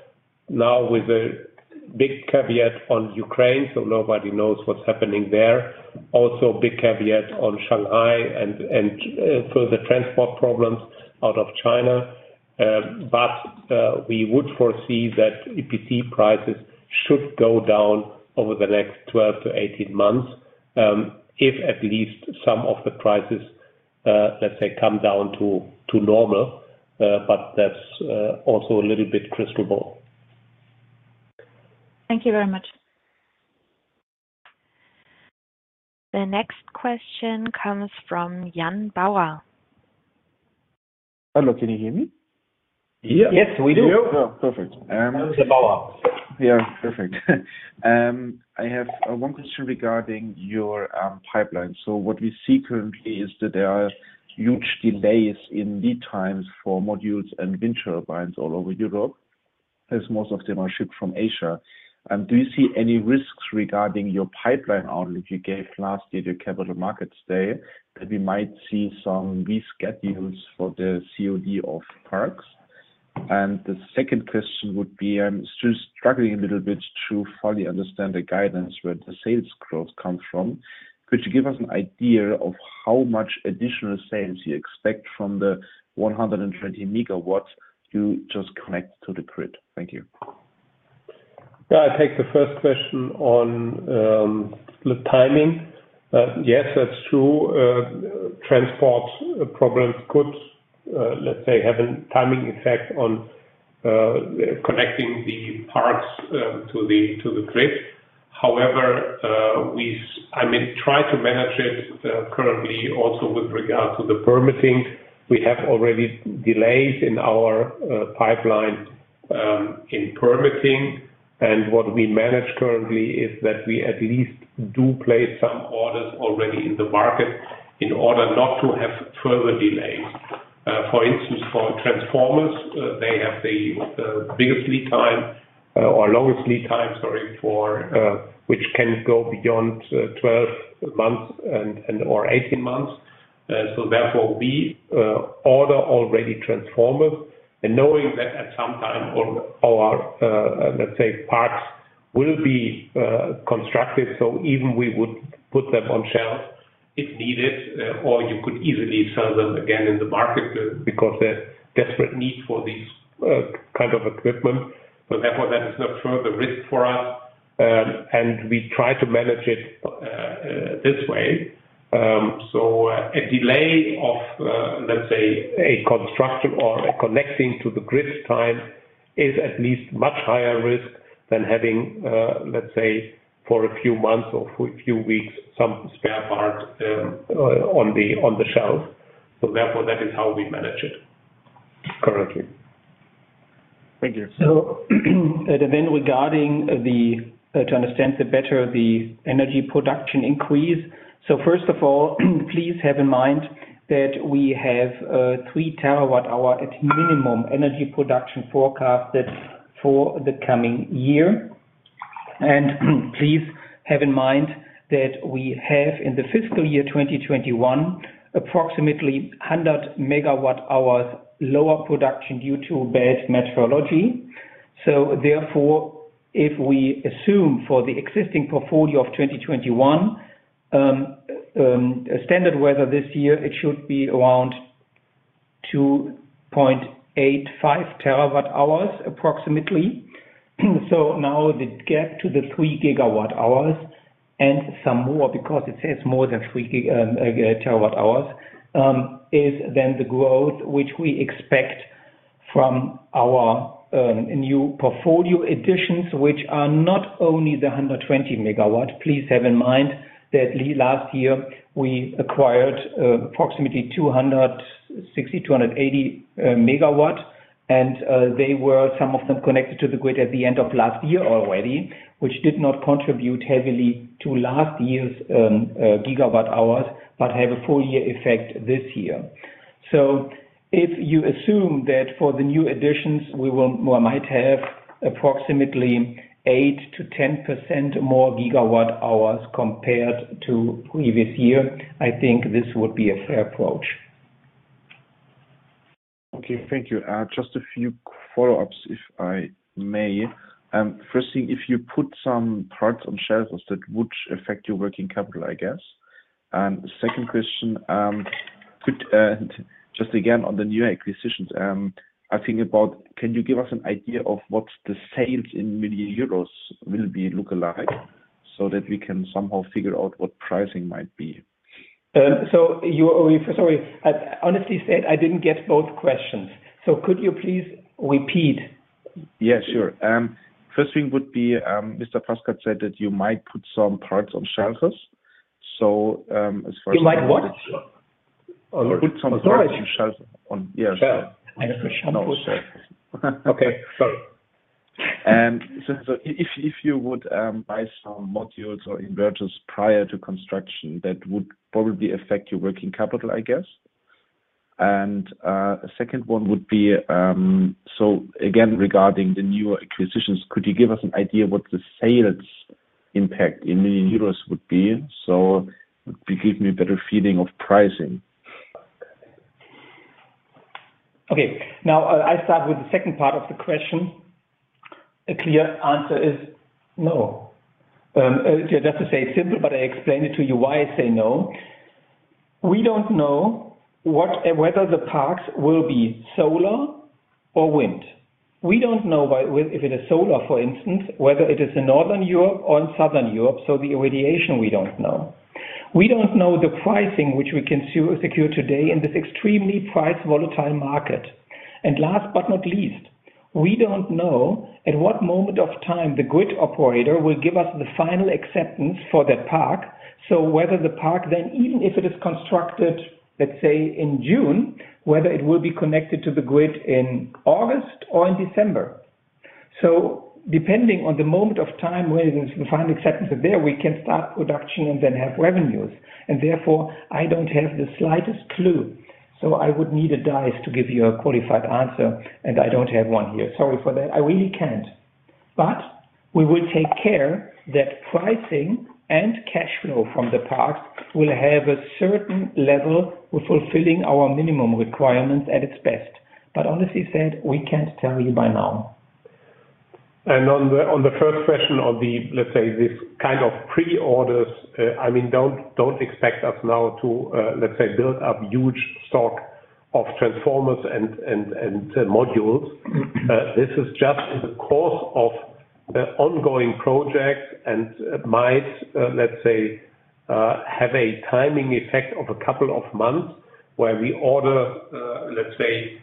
now with a big caveat on Ukraine, so nobody knows what's happening there. Also, big caveat on Shanghai and further transport problems out of China. We would foresee that EPC prices should go down over the next 12-18 months, if at least some of the prices, let's say come down to normal. That's also a little bit crystal ball. Thank you very much. The next question comes from Jan Bauer. Hello. Can you hear me? Yes, we do. Yeah. Oh, perfect. Mr. Bauer. Yeah, perfect. I have one question regarding your pipeline. What we see currently is that there are huge delays in lead times for modules and wind turbines all over Europe, as most of them are shipped from Asia. Do you see any risks regarding your pipeline outlook you gave last year to Capital Markets Day, that we might see some rescheduling for the COD of parks? The second question would be, I'm still struggling a little bit to fully understand the guidance where the sales growth come from. Could you give us an idea of how much additional sales you expect from the 120 MW you just connect to the grid? Thank you. Yeah, I take the first question on the timing. Yes, that's true, transport problems could, let's say, have a timing effect on connecting the parks to the grid. However, I mean, try to manage it currently also with regard to the permitting. We have already delays in our pipeline in permitting. What we manage currently is that we at least do place some orders already in the market in order not to have further delays. For instance, for transformers, they have the biggest lead time or lowest lead time, sorry, for which can go beyond 12 months and or 18 months. Therefore we order already transformers and knowing that at some time our let's say parts will be constructed, so even we would put them on shelves if needed, or you could easily sell them again in the market because there's desperate need for this kind of equipment. Therefore, that is not further risk for us. We try to manage it this way. A delay of let's say a construction or a connecting to the grid time is at least much higher risk than having let's say for a few months or for a few weeks some spare parts on the shelf. Therefore, that is how we manage it currently. Thank you. To understand better the energy production increase. First of all, please have in mind that we have 3 TWh at minimum energy production forecasted for the coming year. Please have in mind that we have in the fiscal year 2021, approximately 100 MWh lower production due to bad meteorology. Therefore, if we assume for the existing portfolio of 2021, standard weather this year, it should be around 2.85 TWh, approximately. Now the gap to the 3 TWh and some more because it says more than 3 TWh is then the growth which we expect from our new portfolio additions, which are not only the 120 MW. Please have in mind that last year we acquired approximately 260 MW-280 MW, and some of them were connected to the grid at the end of last year already, which did not contribute heavily to last year's gigawatt hours, but have a full year effect this year. If you assume that for the new additions, we might have approximately 8%-10% more gigawatt hours compared to previous year, I think this would be a fair approach. Okay, thank you. Just a few follow-ups, if I may. First thing, if you put some parts on shelves that would affect your working capital, I guess. Second question, could just again on the new acquisitions, I think about can you give us an idea of what the sales in million euros will look like so that we can somehow figure out what pricing might be? Sorry. Honestly said, I didn't get both questions. Could you please repeat? Yeah, sure. First thing would be, Mr. Paskert said that you might put some products on shelters. As far as- You might what? Put some products on shelf. Yeah. Shelf. No, sorry. Okay. Sorry. If you would buy some modules or inverters prior to construction, that would probably affect your working capital, I guess. Second one would be so again, regarding the new acquisitions, could you give us an idea what the sales impact in million euros would be? It would give me a better feeling of pricing. Okay. Now, I'll start with the second part of the question. A clear answer is no. Just to say it simply, but I explain it to you why I say no. We don't know whether the parks will be solar or wind. We don't know if it is solar, for instance, whether it is in Northern Europe or in Southern Europe, so the irradiation, we don't know. We don't know the pricing which we can secure today in this extremely price volatile market. And last but not least, we don't know at what moment of time the grid operator will give us the final acceptance for that park. Whether the park then, even if it is constructed, let's say in June, whether it will be connected to the grid in August or in December. Depending on the moment of time when the final acceptance is there, we can start production and then have revenues. Therefore, I don't have the slightest clue. I would need a dice to give you a qualified answer, and I don't have one here. Sorry for that. I really can't. We will take care that pricing and cash flow from the parks will have a certain level with fulfilling our minimum requirements at its best. Honestly said, we can't tell you by now. On the first question on this kind of pre-orders, I mean, don't expect us now to, let's say, build up huge stock of transformers and modules. This is just in the course of ongoing projects and might, let's say, have a timing effect of a couple of months where we order, let's say,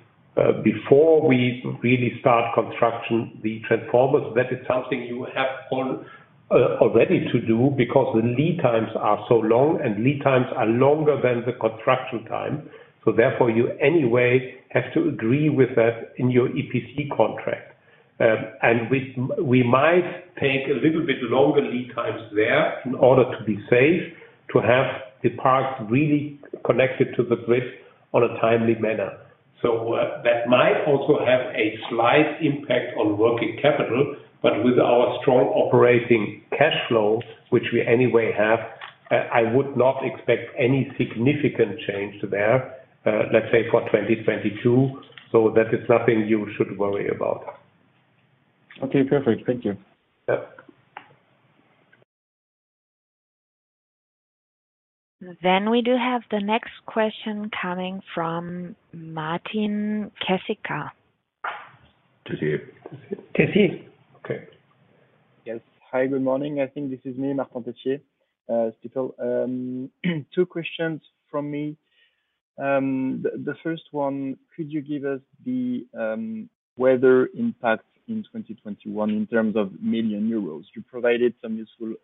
before we really start construction, the transformers. That is something you have already to do because the lead times are so long, and lead times are longer than the construction time. Therefore, you anyway have to agree with that in your EPC contract. We might take a little bit longer lead times there in order to be safe, to have the parts really connected to the grid on a timely manner. That might also have a slight impact on working capital. With our strong operating cash flow, which we anyway have, I would not expect any significant change there, let's say for 2022. That is nothing you should worry about. Okay, perfect. Thank you. Yeah. We do have the next question coming from Martin. [inaudible] [Cassier]. [Cassier]. Okay. Yes. Hi, good morning. I think this is me, [Martin Cassier]. Two questions from me. The first one, could you give us the weather impact in 2021 in terms of million euros? You provided some useful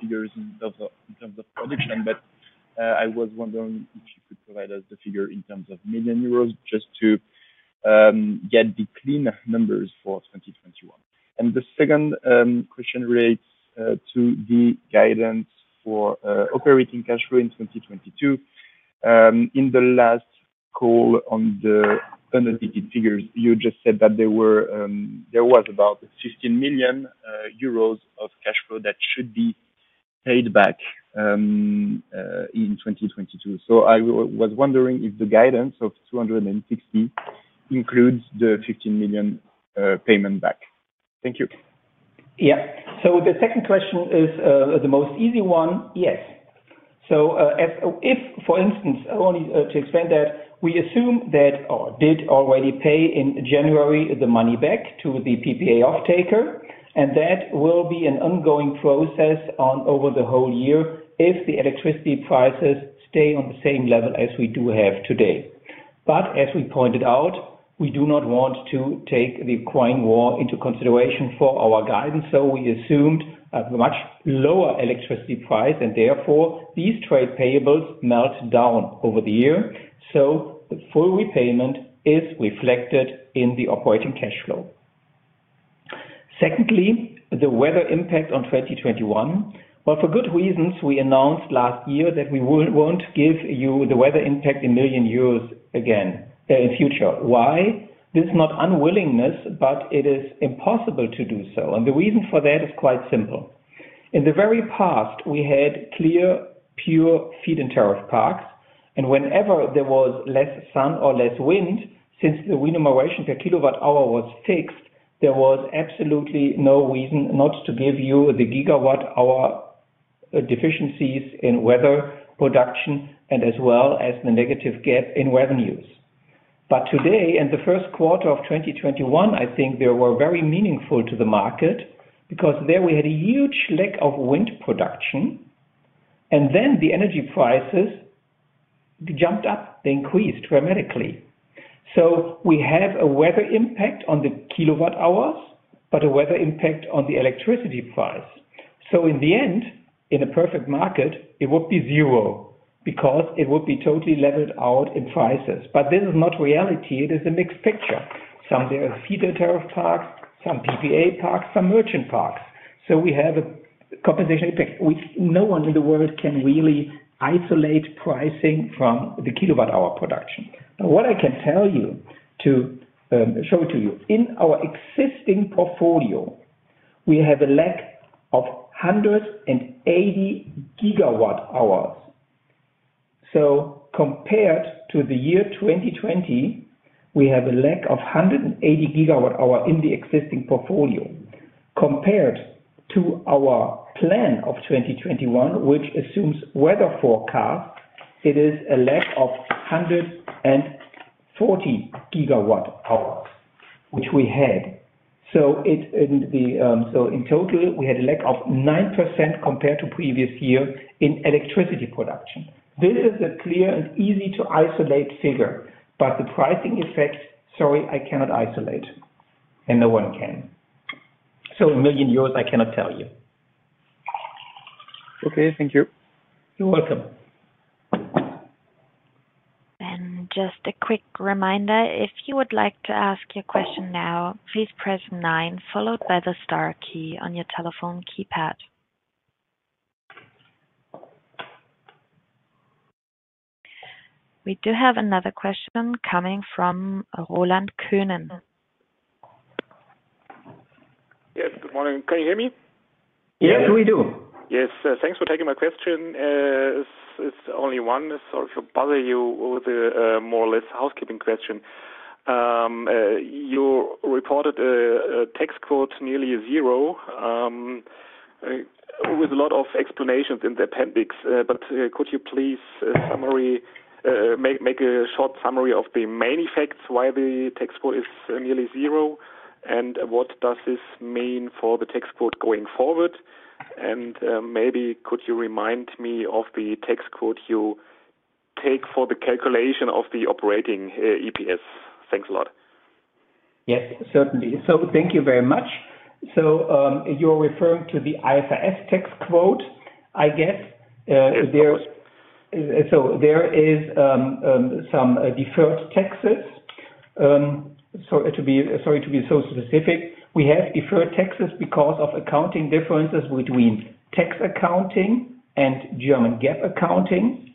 figures in terms of production, but I was wondering if you could provide us the figure in terms of million euros just to get the cleaner numbers for 2021. The second question relates to the guidance for operating cash flow in 2022. In the last call on the unaudited figures, you just said that there was about 15 million euros of cash flow that should be paid back in 2022. I was wondering if the guidance of 260 includes the 15 million payment back. Thank you. Yeah. The second question is the easiest one. Yes. If, for instance, to explain that we assume that we did already pay in January the money back to the PPA offtaker, and that will be an ongoing process over the whole year if the electricity prices stay on the same level as we do have today. As we pointed out, we do not want to take the war into consideration for our guidance. We assumed a much lower electricity price, and therefore these trade payables melt down over the year. The full repayment is reflected in the operating cash flow. Secondly, the weather impact on 2021. For good reasons, we announced last year that we won't give you the weather impact in million euros again in future. Why? This is not unwillingness, but it is impossible to do so, and the reason for that is quite simple. In the very past, we had clear, pure feed-in tariff parks, and whenever there was less sun or less wind, since the remuneration per kilowatt-hour was fixed, there was absolutely no reason not to give you the gigawatt-hour deficiencies in weather production and as well as the negative gap in revenues. Today, in the first quarter of 2021, I think they were very meaningful to the market because there we had a huge lack of wind production, and then the energy prices jumped up, they increased dramatically. We have a weather impact on the kilowatt-hours, but a weather impact on the electricity price. In the end, in a perfect market, it would be zero because it would be totally leveled out in prices. This is not reality, it is a mixed picture. Some there are feed-in tariff parks, some PPA parks, some merchant parks. We have a compensation effect, which no one in the world can really isolate pricing from the kilowatt-hour production. What I can tell you too show it to you, in our existing portfolio, we have a lack of 180 GWh. Compared to the year 2020, we have a lack of 180 GWh in the existing portfolio. Compared to our plan of 2021, which assumes weather forecast, it is a lack of 140 GWh, which we had. In total, we had a lack of 9% compared to previous year in electricity production. This is a clear and easy to isolate figure, but the pricing effect, sorry, I cannot isolate, and no one can. 1 million euros, I cannot tell you. Okay, thank you. You're welcome. Just a quick reminder, if you would like to ask your question now, please press nine followed by the star key on your telephone keypad. We do have another question coming from Roland Könen. Yes. Good morning. Can you hear me? Yes, we do. Yes. Thanks for taking my question. It's only one. Sorry to bother you with a more or less housekeeping question. You reported a tax rate nearly zero, with a lot of explanations in the appendix. Could you please make a short summary of the main effects why the tax rate is nearly zero, and what does this mean for the tax rate going forward? Maybe could you remind me of the tax rate you take for the calculation of the operating EPS? Thanks a lot. Yes, certainly. Thank you very much. You're referring to the IFRS tax rate, I guess. Of course. There is some deferred taxes. Sorry to be so specific. We have deferred taxes because of accounting differences between tax accounting and German GAAP accounting.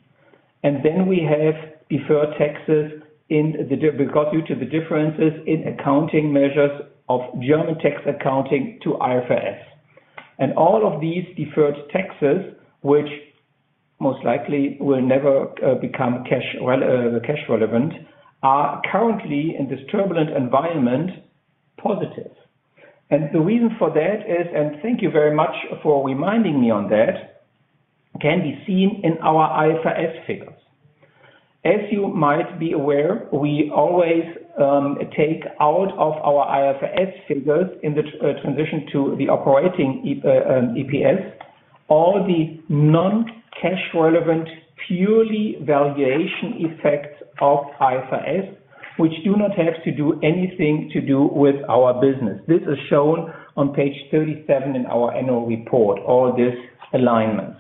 We have deferred taxes due to the differences in accounting measures of German tax accounting to IFRS. All of these deferred taxes, which most likely will never become cash relevant, are currently in this turbulent environment positive. The reason for that is and thank you very much for reminding me on that, can be seen in our IFRS figures. As you might be aware, we always take out of our IFRS figures in the transition to the operating EPS all the non-cash relevant purely valuation effects of IFRS, which do not have to do anything with our business. This is shown on page 37 in our annual report, all these alignments.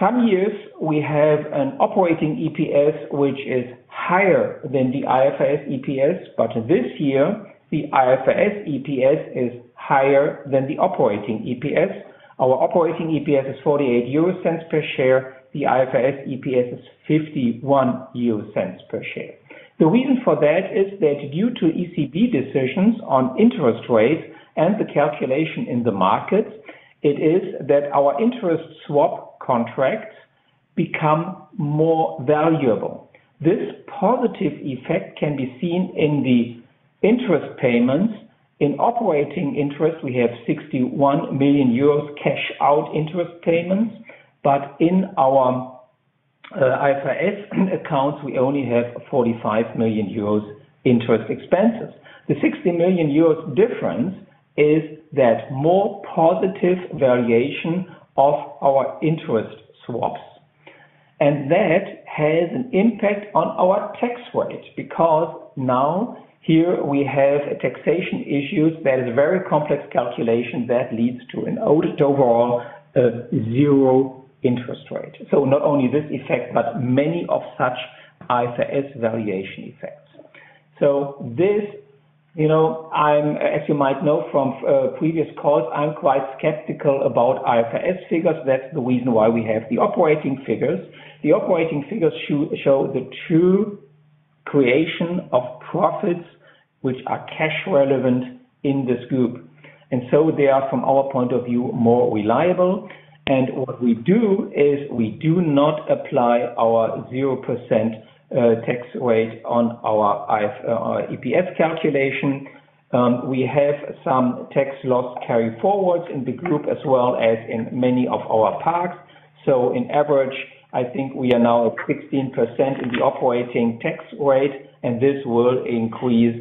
Some years we have an operating EPS, which is higher than the IFRS EPS, but this year the IFRS EPS is higher than the operating EPS. Our operating EPS is 0.48 per share, the IFRS EPS is 0.51 per share. The reason for that is that due to ECB decisions on interest rates and the calculation in the markets, it is that our interest swap contracts become more valuable. This positive effect can be seen in the interest payments. In operating interest, we have 61 million euros cash out interest payments, but in our IFRS accounts, we only have 45 million euros interest expenses. The 60 million euros difference is that more positive valuation of our interest swaps. That has an impact on our tax rate, because now here we have a taxation issue that is a very complex calculation that leads to an overall zero tax rate. Not only this effect, but many of such IFRS valuation effects. This, you know, I'm, as you might know from previous calls, I'm quite skeptical about IFRS figures. That's the reason why we have the operating figures. The operating figures show the true creation of profits, which are cash relevant in this group. They are, from our point of view, more reliable. What we do is we do not apply our 0% tax rate on our EPS calculation. We have some tax loss carry forwards in the group as well as in many of our parks. On average, I think we are now at 16% in the operating tax rate, and this will increase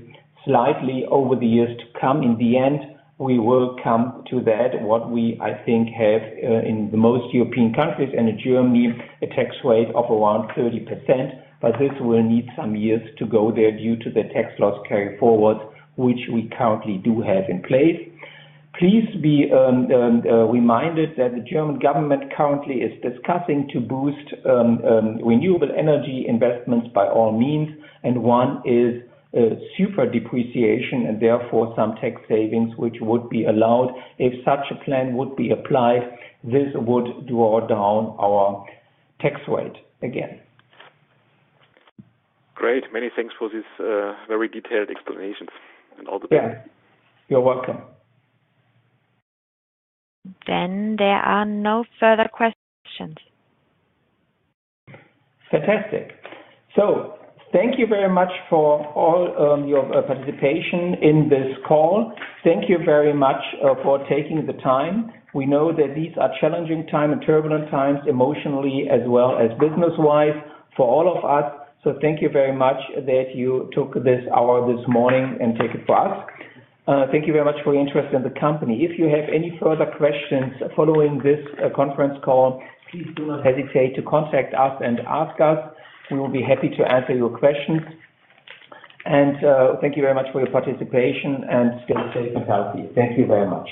slightly over the years to come. In the end, we will come to that, what we, I think, have in the most European countries and in Germany, a tax rate of around 30%. This will need some years to go there due to the tax loss carry forward, which we currently do have in place. Please be reminded that the German government currently is discussing to boost renewable energy investments by all means, and one is super depreciation, and therefore some tax savings, which would be allowed. If such a plan would be applied, this would draw down our tax rate again. Great. Many thanks for this, very detailed explanations and all the best. Yeah. You're welcome. There are no further questions. Fantastic. Thank you very much for all your participation in this call. Thank you very much for taking the time. We know that these are challenging time and turbulent times emotionally as well as business-wise for all of us. Thank you very much that you took this hour this morning and take it for us. Thank you very much for your interest in the company. If you have any further questions following this conference call, please do not hesitate to contact us and ask us. We will be happy to answer your questions. Thank you very much for your participation and stay safe and healthy. Thank you very much.